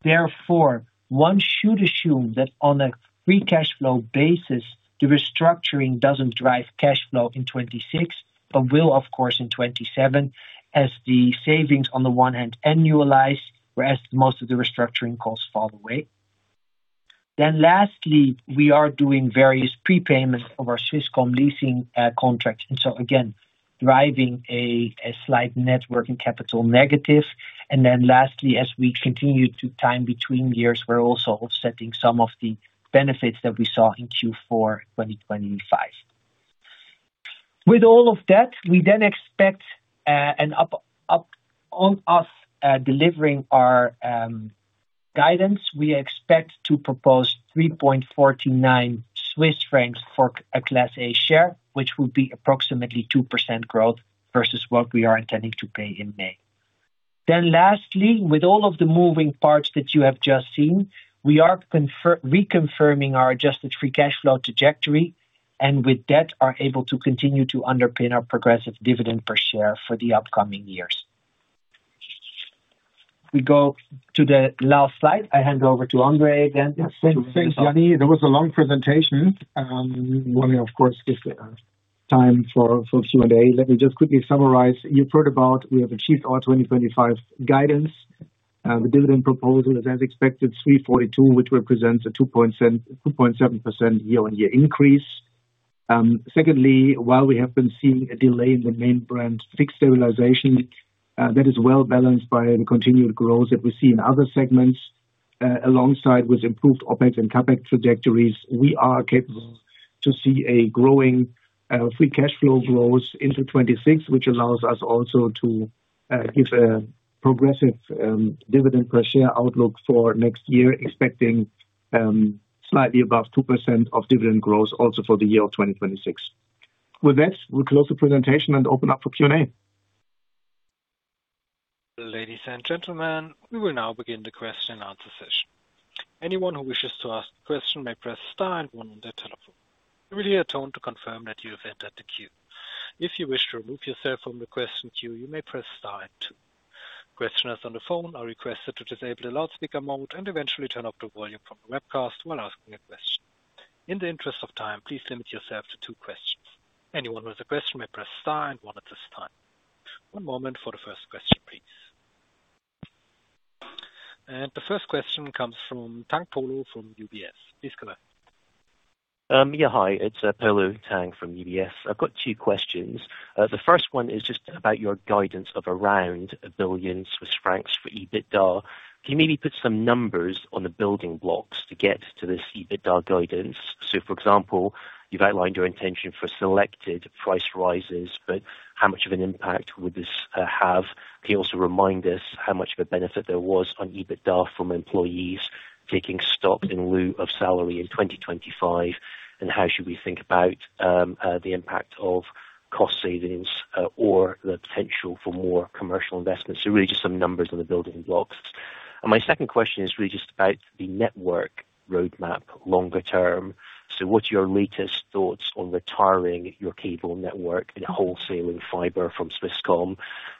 Therefore, one should assume that on a free cash flow basis, the restructuring doesn't drive cash flow in 2026, but will, of course, in 2027, as the savings on the one hand annualize, whereas most of the restructuring costs fall away. Then lastly, we are doing various prepayments of our Swisscom leasing contracts. And so again, driving a slight net working capital negative. And then lastly, as we continue to time between years, we're also offsetting some of the benefits that we saw in Q4 2025. With all of that, we then expect an up on us delivering our guidance. We expect to propose 3.49 Swiss francs for a Class A share, which would be approximately 2% growth versus what we are intending to pay in May. Then lastly, with all of the moving parts that you have just seen, we are reconfirming our adjusted free cash flow trajectory, and with that, are able to continue to underpin our progressive dividend per share for the upcoming years. We go to the last slide. I hand over to André again. Yes. Thanks, Johnny. That was a long presentation. Wanting, of course, to give time for Q&A. Let me just quickly summarize. You've heard about, we have achieved our 2025 guidance. The dividend proposal is as expected, 3.42, which represents a 2.7% year-on-year increase. Secondly, while we have been seeing a delay in the main brand fixed sterilization, that is well balanced by the continued growth that we see in other segments. Alongside with improved OpEx and CapEx trajectories, we are capable to see a growing free cash flow growth into 2026, which allows us also to give a progressive dividend per share outlook for next year, expecting slightly above 2% of dividend growth also for the year of 2026. With that, we'll close the presentation and open up for Q&A. Ladies and gentlemen, we will now begin the question and answer session. Anyone who wishes to ask a question may press star and one on their telephone. You will hear a tone to confirm that you have entered the queue. If you wish to remove yourself from the question queue, you may press star and two. Questioners on the phone are requested to disable the loudspeaker mode and eventually turn up the volume from the webcast while asking a question. In the interest of time, please limit yourself to two questions. Anyone with a question may press star and one at this time. One moment for the first question, please. And the first question comes from Polo Tang from UBS. Please go ahead. Yeah, hi, it's Polo Tang from UBS. I've got two questions. The first one is just about your guidance of around 1 billion Swiss francs for EBITDA. Can you maybe put some numbers on the building blocks to get to this EBITDA guidance? So, for example, you've outlined your intention for selected price rises, but how much of an impact would this have? Can you also remind us how much of a benefit there was on EBITDA from employees taking stock in lieu of salary in 2025? And how should we think about the impact of cost savings or the potential for more commercial investments? So really, just some numbers on the building blocks. And my second question is really just about the network roadmap longer term. So what's your latest thoughts on retiring your cable network and wholesaling fiber from Swisscom?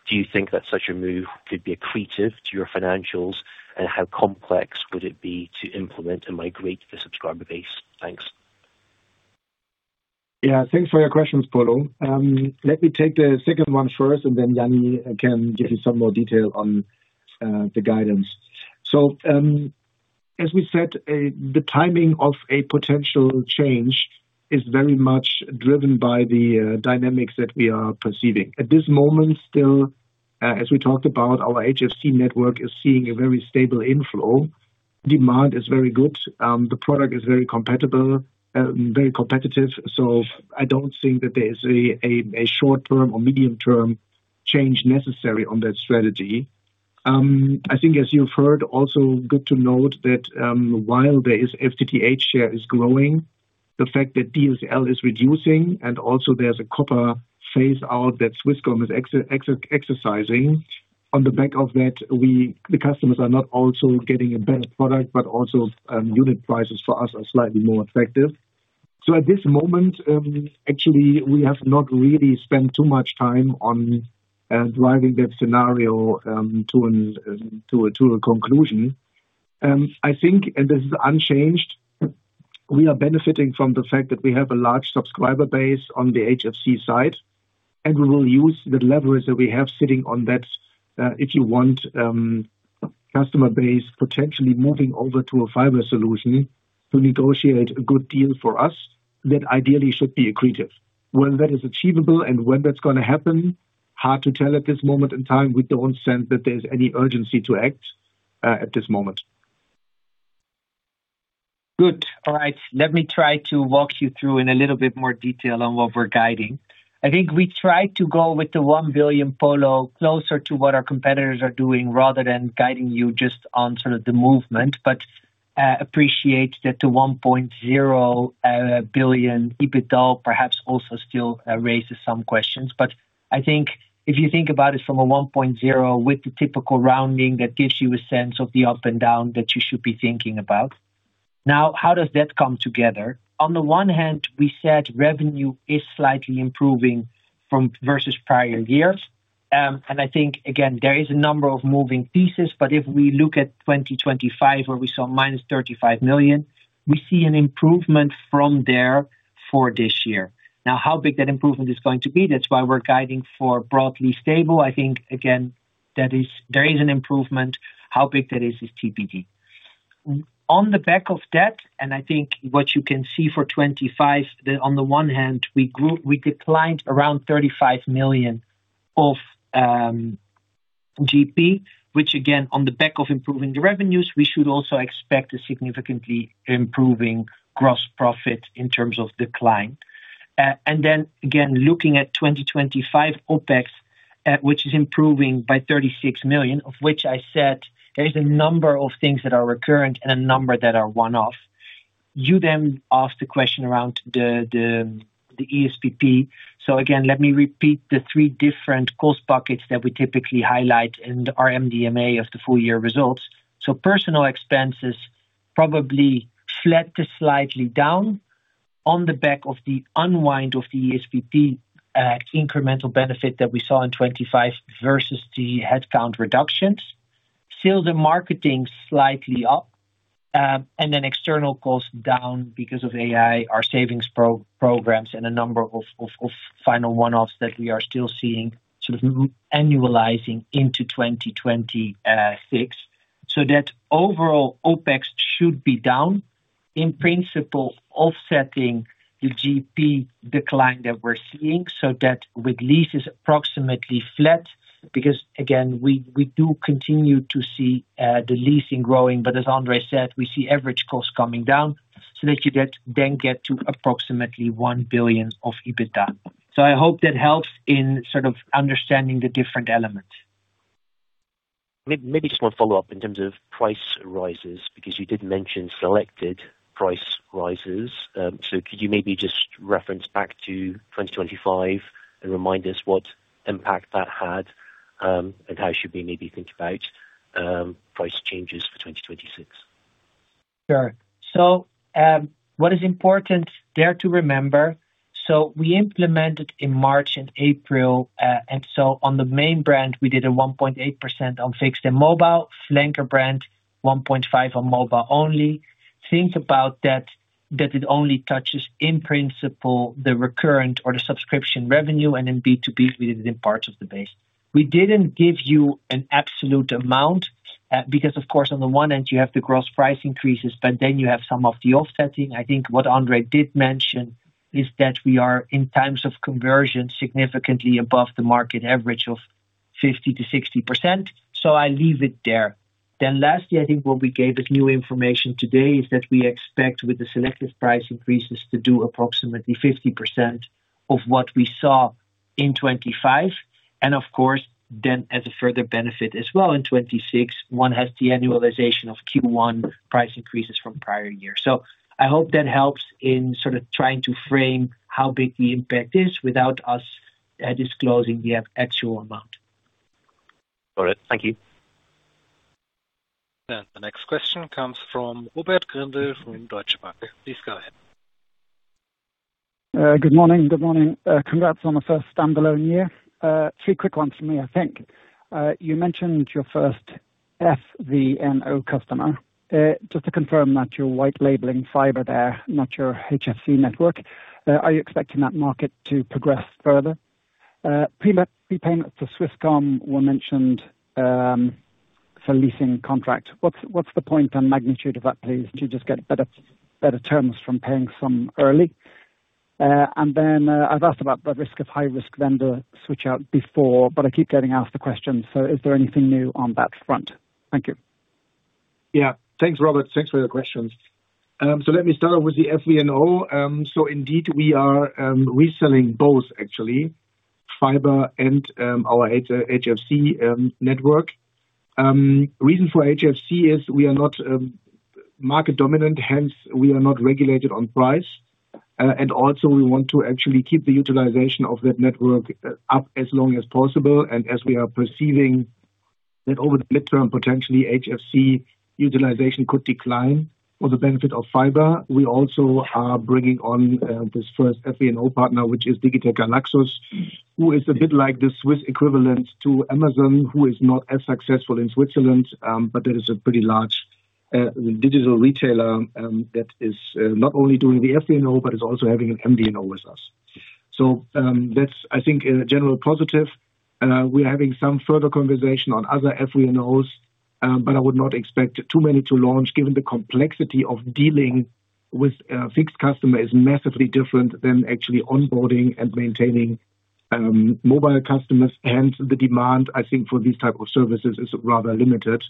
Do you think that such a move could be accretive to your financials? And how complex would it be to implement and migrate the subscriber base? Thanks. Yeah, thanks for your questions, Paulo. Let me take the second one first, and then Danny can give you some more detail on the guidance. As we said, the timing of a potential change is very much driven by the dynamics that we are perceiving. At this moment, still, as we talked about, our HFC network is seeing a very stable inflow. Demand is very good. The product is very compatible, very competitive, so I don't think that there is a short-term or medium-term change necessary on that strategy. I think as you've heard, also good to note that, while the FTTH share is growing, the fact that DSL is reducing and also there's a copper phase out, that Swisscom is exercising. On the back of that the customers are not also getting a better product, but also, unit prices for us are slightly more effective. So at this moment, actually, we have not really spent too much time on driving that scenario to a conclusion. I think, and this is unchanged, we are benefiting from the fact that we have a large subscriber base on the HFC side, and we will use the leverage that we have sitting on that, if you want, customer base, potentially moving over to a fiber solution, to negotiate a good deal for us, that ideally should be accretive. When that is achievable and when that's going to happen, hard to tell at this moment in time. We don't sense that there's any urgency to act at this moment. Good. All right, let me try to walk you through in a little bit more detail on what we're guiding. I think we tried to go with the 1 billion low closer to what our competitors are doing, rather than guiding you just on sort of the movement. But, appreciate that the 1.0 billion EBITDA perhaps also still raises some questions. But I think if you think about it from a 1.0 with the typical rounding, that gives you a sense of the up and down that you should be thinking about. Now, how does that come together? On the one hand, we said revenue is slightly improving from versus prior years. And I think again, there is a number of moving pieces, but if we look at 2025, where we saw -35 million, we see an improvement from there for this year. Now, how big that improvement is going to be? That's why we're guiding for broadly stable. I think again, that is, there is an improvement. How big that is, is TBD. On the back of that, and I think what you can see for 2025, we declined around 35 million of GP, which again, on the back of improving the revenues, we should also expect a significantly improving gross profit in terms of decline. And then again, looking at 2025 OpEx, which is improving by 36 million, of which I said there is a number of things that are recurrent and a number that are one-off. You then asked a question around the ESPP. So again, let me repeat the three different cost pockets that we typically highlight in the RMDMA of the full year results. So personal expenses, probably flat to slightly down on the back of the unwind of the ESPP, incremental benefit that we saw in 2025 versus the headcount reductions. Sales and marketing, slightly up. And then external costs down because of AI, our savings programs, and a number of final one offs that we are still seeing sort of annualizing into 2026. So that overall OpEx should be down, in principle, offsetting the GP decline that we're seeing, so that with leases approximately flat, because again, we do continue to see the leasing growing, but as André said, we see average costs coming down. So that you get to approximately 1 billion of EBITDA. So I hope that helps in sort of understanding the different elements. Maybe just one follow-up in terms of price rises, because you did mention selected price rises. So could you maybe just reference back to 2025 and remind us what impact that had, and how should we maybe think about price changes for 2026? Sure. So, what is important there to remember, so we implemented in March and April, and so on the main brand, we did a 1.8% on fixed and mobile, flanker brand, 1.5% on mobile only. Think about that, that it only touches in principle, the recurrent or the subscription revenue, and in B2B, we did it in parts of the base. We didn't give you an absolute amount, because of course, on the one hand, you have the gross price increases, but then you have some of the offsetting. I think what André did mention is that we are in times of conversion, significantly above the market average of 50%-60%. So I leave it there. Then lastly, I think what we gave as new information today is that we expect with the selective price increases to do approximately 50% of what we saw in 2025. And of course, then as a further benefit as well in 2026, one has the annualization of Q1 price increases from prior years. So I hope that helps in sort of trying to frame how big the impact is without us disclosing the actual amount. Got it. Thank you. The next question comes from Robert Grindle from Deutsche Bank. Please go ahead. Good morning. Good morning. Congrats on the first standalone year. Three quick ones from me. I think, you mentioned your first FVNO customer, just to confirm that you're white labeling fiber there, not your HFC network. Are you expecting that market to progress further? Pre-pay, prepayment to Swisscom were mentioned, for leasing contract. What's, what's the point on magnitude of that, please? Do you just get better, better terms from paying some early? And then, I've asked about the risk of high risk vendor switch out before, but I keep getting asked the question, so is there anything new on that front? Thank you. Yeah. Thanks, Robert. Thanks for your questions. So let me start off with the FVNO. So indeed, we are reselling both actually, fiber and our HFC network. Reason for HFC is we are not market dominant, hence we are not regulated on price. And also we want to actually keep the utilization of that network up as long as possible. And as we are perceiving that over the midterm, potentially HFC utilization could decline for the benefit of fiber. We also are bringing on this first FVNO partner, which is Digitec Galaxus, who is a bit like the Swiss equivalent to Amazon, who is not as successful in Switzerland, but that is a pretty large digital retailer that is not only doing the FVNO, but is also having an MVNO with us. So, that's I think a general positive. We're having some further conversation on other FVNOs, but I would not expect too many to launch, given the complexity of dealing with, fixed customer is massively different than actually onboarding and maintaining, mobile customers. And the demand, I think, for these type of services is rather limited.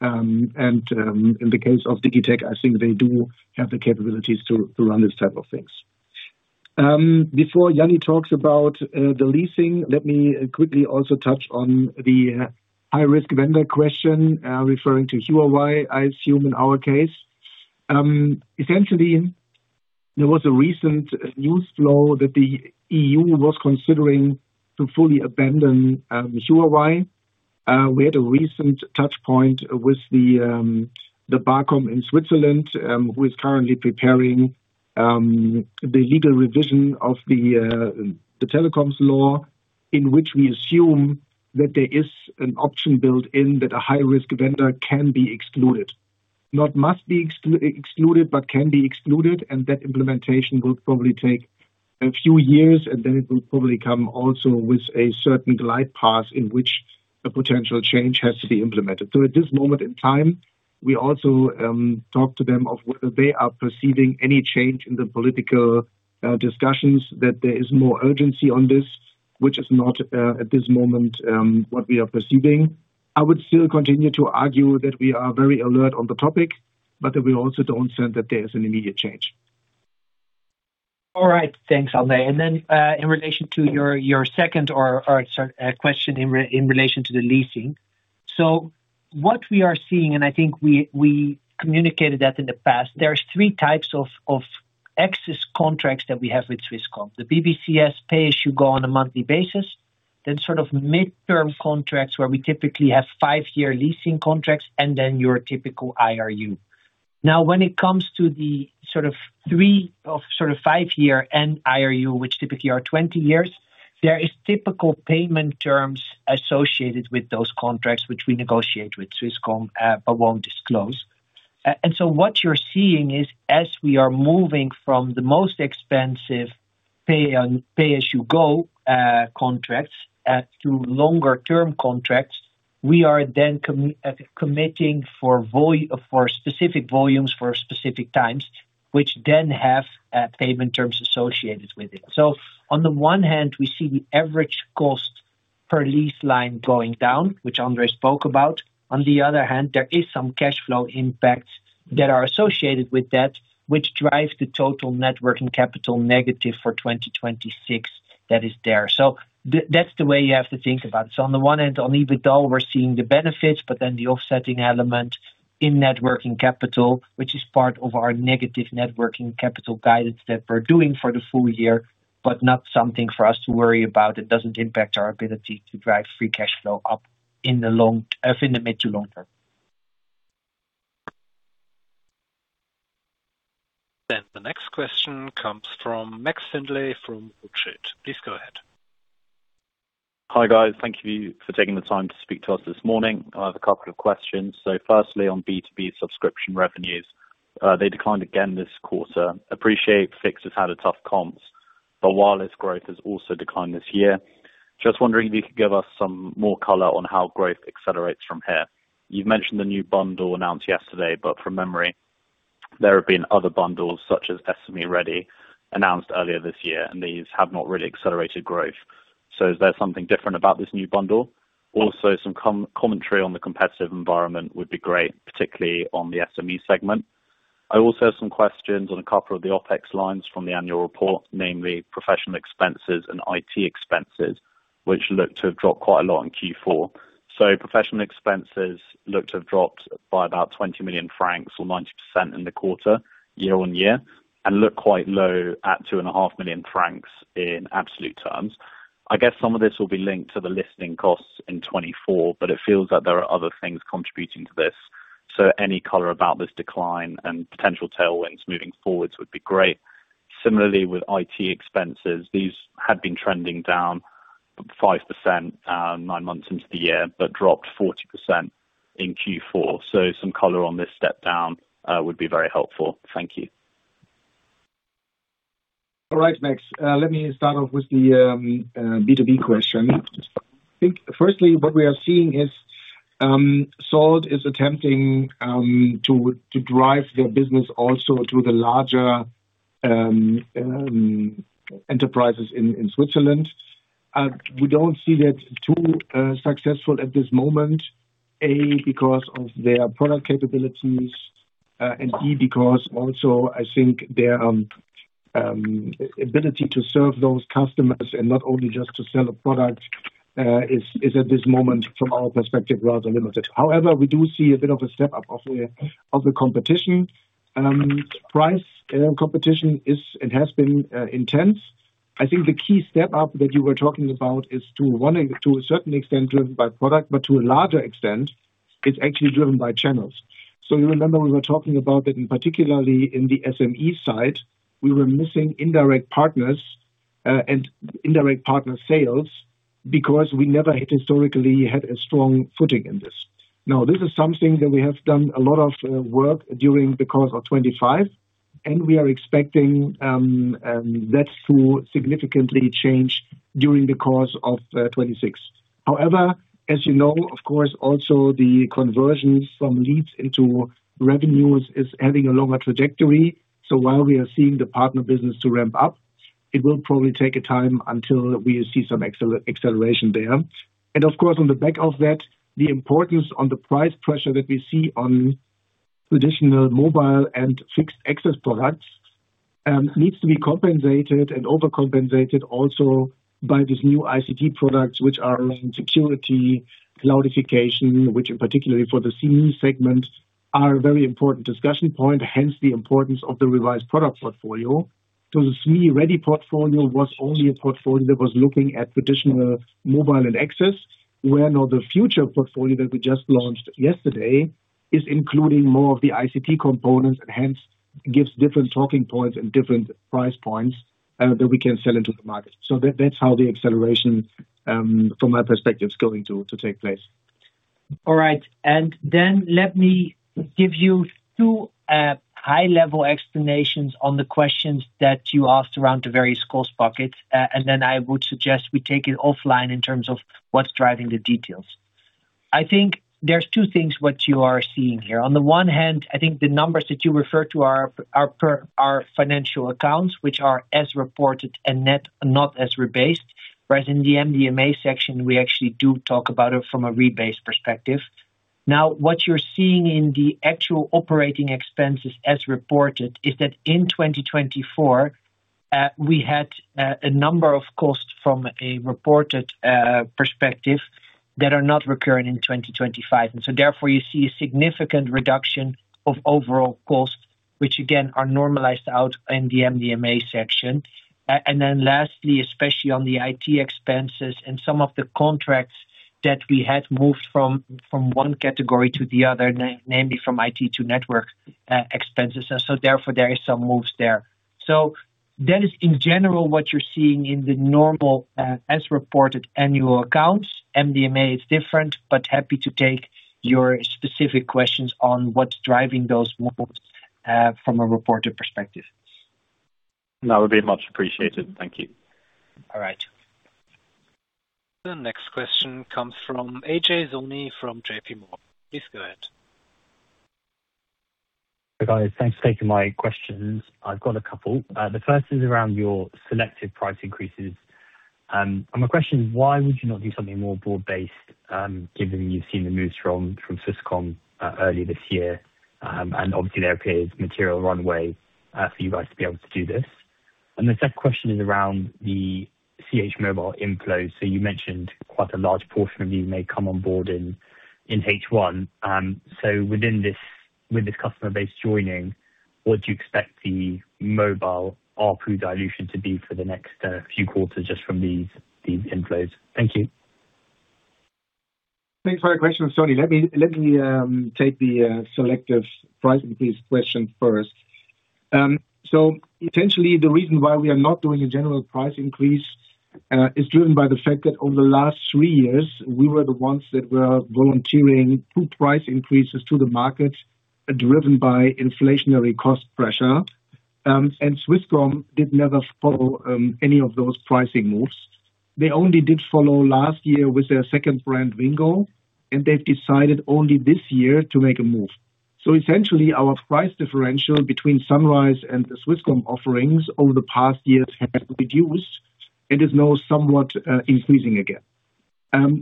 And, in the case of Digitec, I think they do have the capabilities to run this type of things. Before Yanni talks about the leasing, let me quickly also touch on the high-risk vendor question, referring to Huawei, I assume, in our case. Essentially, there was a recent news flow that the EU was considering to fully abandon, Huawei. We had a recent touch point with the, the ComCom in Switzerland, who is currently preparing, the legal revision of the, the telecoms law, in which we assume that there is an option built in that a high-risk vendor can be excluded. Not must be excluded, but can be excluded, and that implementation will probably take a few years, and then it will probably come also with a certain glide path in which a potential change has to be implemented. So at this moment in time, we also, talk to them of whether they are perceiving any change in the political, discussions, that there is more urgency on this, which is not, at this moment, what we are perceiving. I would still continue to argue that we are very alert on the topic, but that we also don't sense that there is an immediate change. All right. Thanks, André. In relation to your second question in relation to the leasing, what we are seeing, and I think we communicated that in the past, there are three types of excess contracts that we have with Swisscom. The BBCS pay-as-you-go on a monthly basis, then sort of midterm contracts, where we typically have five-year leasing contracts, and then your typical IRU. Now, when it comes to the sort of three of sort of five-year and IRU, which typically are 20 years, there are typical payment terms associated with those contracts, which we negotiate with Swisscom, but won't disclose. What you're seeing is, as we are moving from the most expensive pay-as-you-go contracts to longer term contracts, we are then committing. For specific volumes, for specific times, which then have payment terms associated with it. So on the one hand, we see the average cost per lease line going down, which André spoke about. On the other hand, there is some cash flow impacts that are associated with that, which drives the total net working capital negative for 2026. That is there. So that's the way you have to think about it. So on the one hand, on EBITDA, we're seeing the benefits, but then the offsetting element in net working capital, which is part of our negative net working capital guidance that we're doing for the full year, but not something for us to worry about. It doesn't impact our ability to drive free cash flow up in the long, in the mid to long term. Then the next question comes from Max Mayfield from Rothschild. Please go ahead. Hi, guys. Thank you for taking the time to speak to us this morning. I have a couple of questions. So firstly, on B2B subscription revenues, they declined again this quarter. Appreciate fixed has had a tough comps, but wireless growth has also declined this year. Just wondering if you could give us some more color on how growth accelerates from here. You've mentioned the new bundle announced yesterday, but from memory, there have been other bundles, such as SME Ready, announced earlier this year, and these have not really accelerated growth. So is there something different about this new bundle? Also, some commentary on the competitive environment would be great, particularly on the SME segment. I also have some questions on a couple of the OpEx lines from the annual report, namely, professional expenses and IT expenses, which look to have dropped quite a lot in Q4. So professional expenses looked to have dropped by about 20 million francs or 90% in the quarter, year-on-year, and look quite low at 2.5 million francs in absolute terms. I guess some of this will be linked to the listing costs in 2024, but it feels like there are other things contributing to this. So any color about this decline and potential tailwinds moving forwards would be great. Similarly, with IT expenses, these had been trending down 5%, nine months into the year, but dropped 40% in Q4. So some color on this step down would be very helpful. Thank you. All right, Max. Let me start off with the B2B question. I think firstly, what we are seeing is, Salt is attempting to drive their business also to the larger enterprises in Switzerland. We don't see that too successful at this moment, A, because of their product capabilities, and B, because also I think their ability to serve those customers and not only just to sell a product is at this moment, from our perspective, rather limited. However, we do see a bit of a step-up of the competition. Price competition is and has been intense. I think the key step up that you were talking about is to one, and to a certain extent, driven by product, but to a larger extent, it's actually driven by channels. So you remember we were talking about that, and particularly in the SME side, we were missing indirect partners and indirect partner sales because we never historically had a strong footing in this. Now, this is something that we have done a lot of work during the course of 2025, and we are expecting that to significantly change during the course of 2026. However, as you know, of course, also the conversions from leads into revenues is having a longer trajectory. So while we are seeing the partner business to ramp up, it will probably take a time until we see some acceleration there. Of course, on the back of that, the importance of the price pressure that we see on traditional mobile and fixed access products needs to be compensated and overcompensated also by these new ICT products, which are around security, cloudification, which, in particular, for the SME segments, are a very important discussion point, hence the importance of the revised product portfolio. So the SME Ready portfolio was only a portfolio that was looking at traditional mobile and access, where now the future portfolio that we just launched yesterday is including more of the ICT components, and hence gives different talking points and different price points that we can sell into the market. So that, that's how the acceleration from my perspective, is going to take place. All right. Let me give you two high-level explanations on the questions that you asked around the various cost pockets, and then I would suggest we take it offline in terms of what's driving the details. I think there's two things what you are seeing here. On the one hand, I think the numbers that you refer to are per our financial accounts, which are as reported and net, not as rebased. Whereas in the MDMA section, we actually do talk about it from a rebase perspective. Now, what you're seeing in the actual operating expenses as reported is that in 2024, we had a number of costs from a reported perspective that are not recurring in 2025. Therefore, you see a significant reduction of overall costs, which again, are normalized out in the MDMA section. And then lastly, especially on the IT expenses and some of the contracts that we had moved from one category to the other, namely from IT to network expenses. And so therefore, there is some moves there. So that is in general what you're seeing in the normal as reported annual accounts. MDMA is different, but happy to take your specific questions on what's driving those moves from a reported perspective. That would be much appreciated. Thank you. All right. The next question comes from Tony Sherwood from J.P. Morgan. Please go ahead. Hi, guys. Thanks for taking my questions. I've got a couple. The first is around your selective price increases. And my question is: Why would you not do something more broad-based, given you've seen the moves from Swisscom earlier this year? And obviously there appears material runway for you guys to be able to do this. And the second question is around the CH Mobile inflows. So you mentioned quite a large portion of these may come on board in H1. So within this, with this customer base joining, what do you expect the mobile ARPU dilution to be for the next few quarters just from these inflows? Thank you. Thanks for your question, Tony. Let me take the selective price increase question first. So essentially, the reason why we are not doing a general price increase is driven by the fact that over the last three years, we were the ones that were volunteering two price increases to the market, driven by inflationary cost pressure. And Swisscom did never follow any of those pricing moves. They only did follow last year with their second brand, Wingo, and they've decided only this year to make a move. So essentially, our price differential between Sunrise and the Swisscom offerings over the past years have reduced, and is now somewhat increasing again.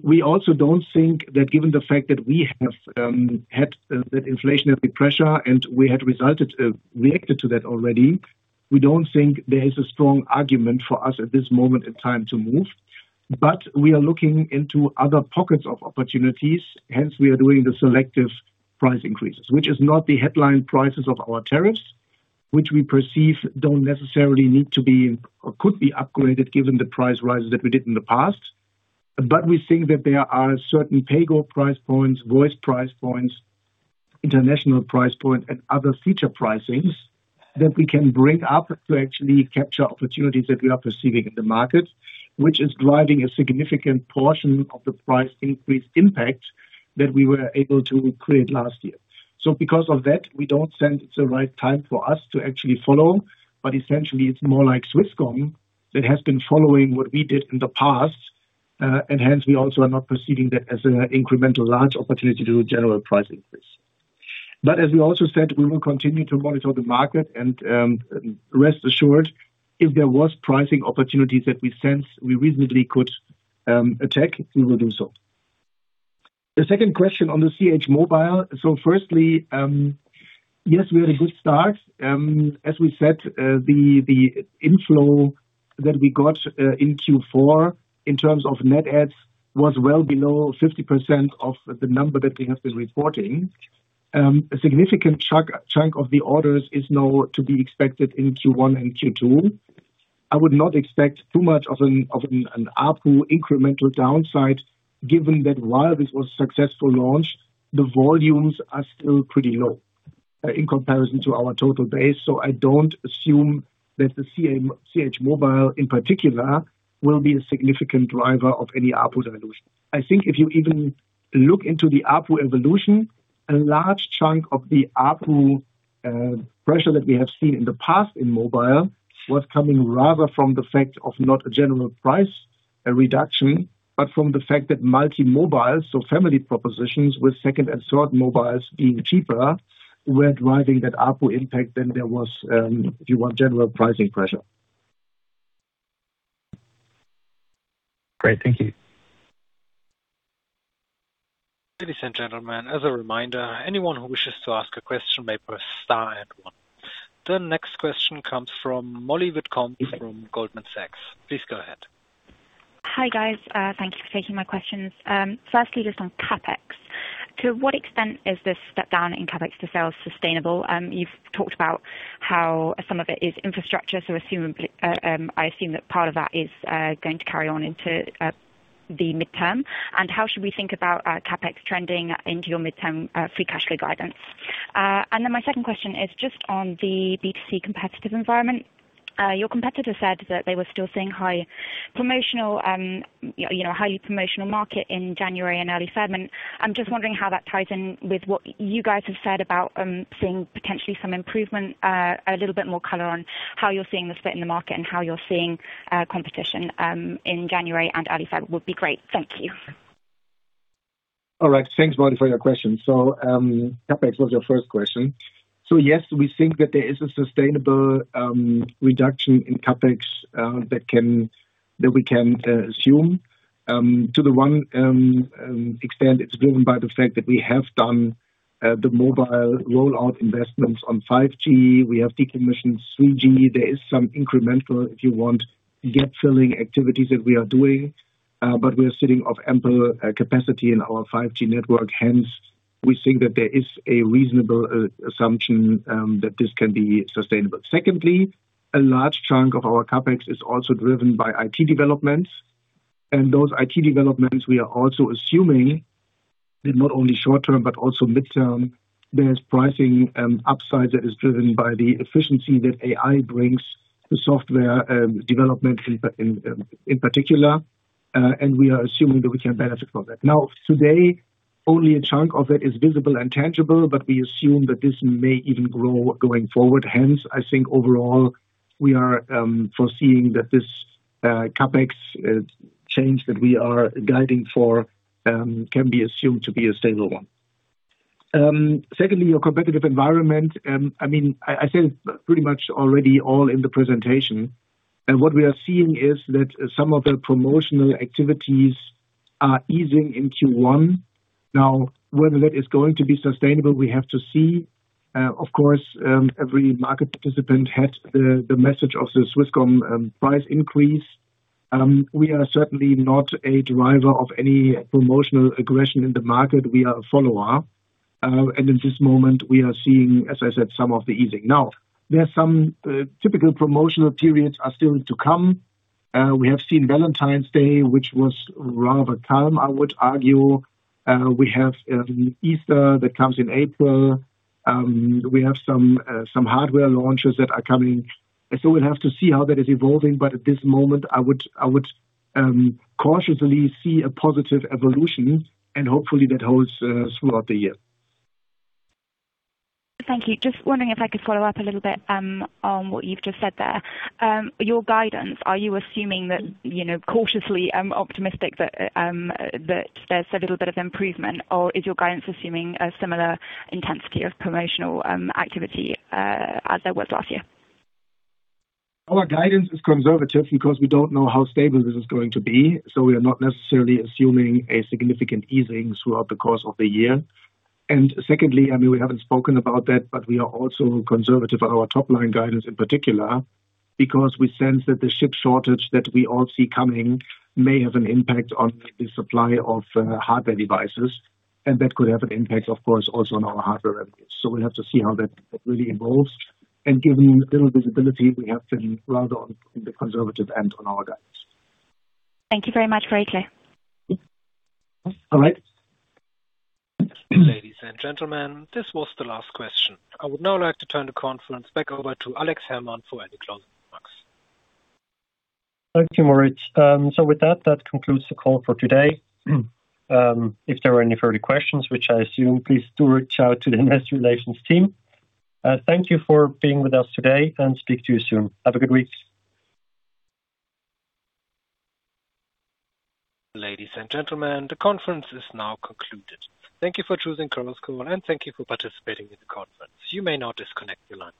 We also don't think that given the fact that we have had that inflationary pressure and we reacted to that already, we don't think there is a strong argument for us at this moment in time to move. But we are looking into other pockets of opportunities, hence we are doing the selective price increases. Which is not the headline prices of our tariffs, which we perceive don't necessarily need to be or could be upgraded, given the price rises that we did in the past. But we think that there are certain pay-go price points, voice price points, international price points, and other feature pricings that we can bring up to actually capture opportunities that we are perceiving in the market, which is driving a significant portion of the price increase impact that we were able to create last year. So because of that, we don't think it's the right time for us to actually follow. But essentially, it's more like Swisscom that has been following what we did in the past, and hence, we also are not perceiving that as an incremental large opportunity to do a general price increase. But as we also said, we will continue to monitor the market and, rest assured, if there was pricing opportunities that we sense we reasonably could attack, we will do so. The second question on the CH Mobile: So firstly, yes, we had a good start. As we said, the inflow that we got in Q4 in terms of net adds was well below 50% of the number that we have been reporting. A significant chunk of the orders is now to be expected in Q1 and Q2. I would not expect too much of an ARPU incremental downside, given that while this was a successful launch, the volumes are still pretty low in comparison to our total base. So I don't assume that the CH Mobile, in particular, will be a significant driver of any ARPU evolution. I think if you even look into the ARPU evolution, a large chunk of the ARPU pressure that we have seen in the past in mobile was coming rather from the fact of not a general price reduction, but from the fact that multi-mobile, so family propositions with second and third mobiles being cheaper, were driving that ARPU impact than there was, if you want, general pricing pressure. Great, thank you. Ladies and gentlemen, as a reminder, anyone who wishes to ask a question may press star and one. The next question comes from Molly Sherwood from Goldman Sachs. Please go ahead. Hi, guys. Thank you for taking my questions. Firstly, just on CapEx. To what extent is this step down in CapEx to sales sustainable? You've talked about how some of it is infrastructure, so assumably, I assume that part of that is going to carry on into the midterm. And how should we think about CapEx trending into your midterm free cash flow guidance? And then my second question is just on the B2C competitive environment. Your competitor said that they were still seeing high promotional, you know, highly promotional market in January and early February. I'm just wondering how that ties in with what you guys have said about seeing potentially some improvement, a little bit more color on how you're seeing the split in the market and how you're seeing competition in January and early February would be great. Thank you. All right. Thanks, Molly, for your question. So, CapEx was your first question. So yes, we think that there is a sustainable reduction in CapEx that can, that we can assume. To one extent, it's driven by the fact that we have done the mobile rollout investments on 5G. We have decommissioned 3G. There is some incremental, if you want, gap-filling activities that we are doing, but we are sitting on ample capacity in our 5G network. Hence, we think that there is a reasonable assumption that this can be sustainable. Secondly, a large chunk of our CapEx is also driven by IT developments. And those IT developments, we are also assuming that not only short term, but also midterm, there is pricing, upside that is driven by the efficiency that AI brings to software, development, in particular, and we are assuming that we can benefit from that. Now, today, only a chunk of it is visible and tangible, but we assume that this may even grow going forward. Hence, I think overall, we are foreseeing that this CapEx change that we are guiding for can be assumed to be a stable one. Secondly, your competitive environment, I mean, I said pretty much already all in the presentation. And what we are seeing is that some of the promotional activities are easing in Q1. Now, whether that is going to be sustainable, we have to see. Of course, every market participant has the, the message of the Swisscom price increase. We are certainly not a driver of any promotional aggression in the market. We are a follower. And at this moment we are seeing, as I said, some of the easing. Now, there are some typical promotional periods are still to come. We have seen Valentine's Day, which was rather calm, I would argue. We have Easter that comes in April. We have some some hardware launches that are coming. So we'll have to see how that is evolving, but at this moment, I would, I would cautiously see a positive evolution, and hopefully, that holds throughout the year. Thank you. Just wondering if I could follow up a little bit, on what you've just said there. Your guidance, are you assuming that, you know, cautiously, I'm optimistic that, that there's a little bit of improvement, or is your guidance assuming a similar intensity of promotional, activity, as there was last year? Our guidance is conservative because we don't know how stable this is going to be, so we are not necessarily assuming a significant easing throughout the course of the year. And secondly, I mean, we haven't spoken about that, but we are also conservative on our top-line guidance in particular, because we sense that the ship shortage that we all see coming may have an impact on the supply of hardware devices, and that could have an impact, of course, also on our hardware revenues. So we'll have to see how that really evolves. And given little visibility, we have been rather on the conservative end on our guidance. Thank you very much for your clear. All right. Ladies and gentlemen, this was the last question. I would now like to turn the conference back over to Alex Herrmann for any closing remarks. Thank you, Moritz. So with that, that concludes the call for today. If there are any further questions, which I assume, please do reach out to the investor relations team. Thank you for being with us today, and speak to you soon. Have a good week. Ladies and gentlemen, the conference is now concluded. Thank you for choosing Chorus Call, and thank you for participating in the conference. You may now disconnect your lines.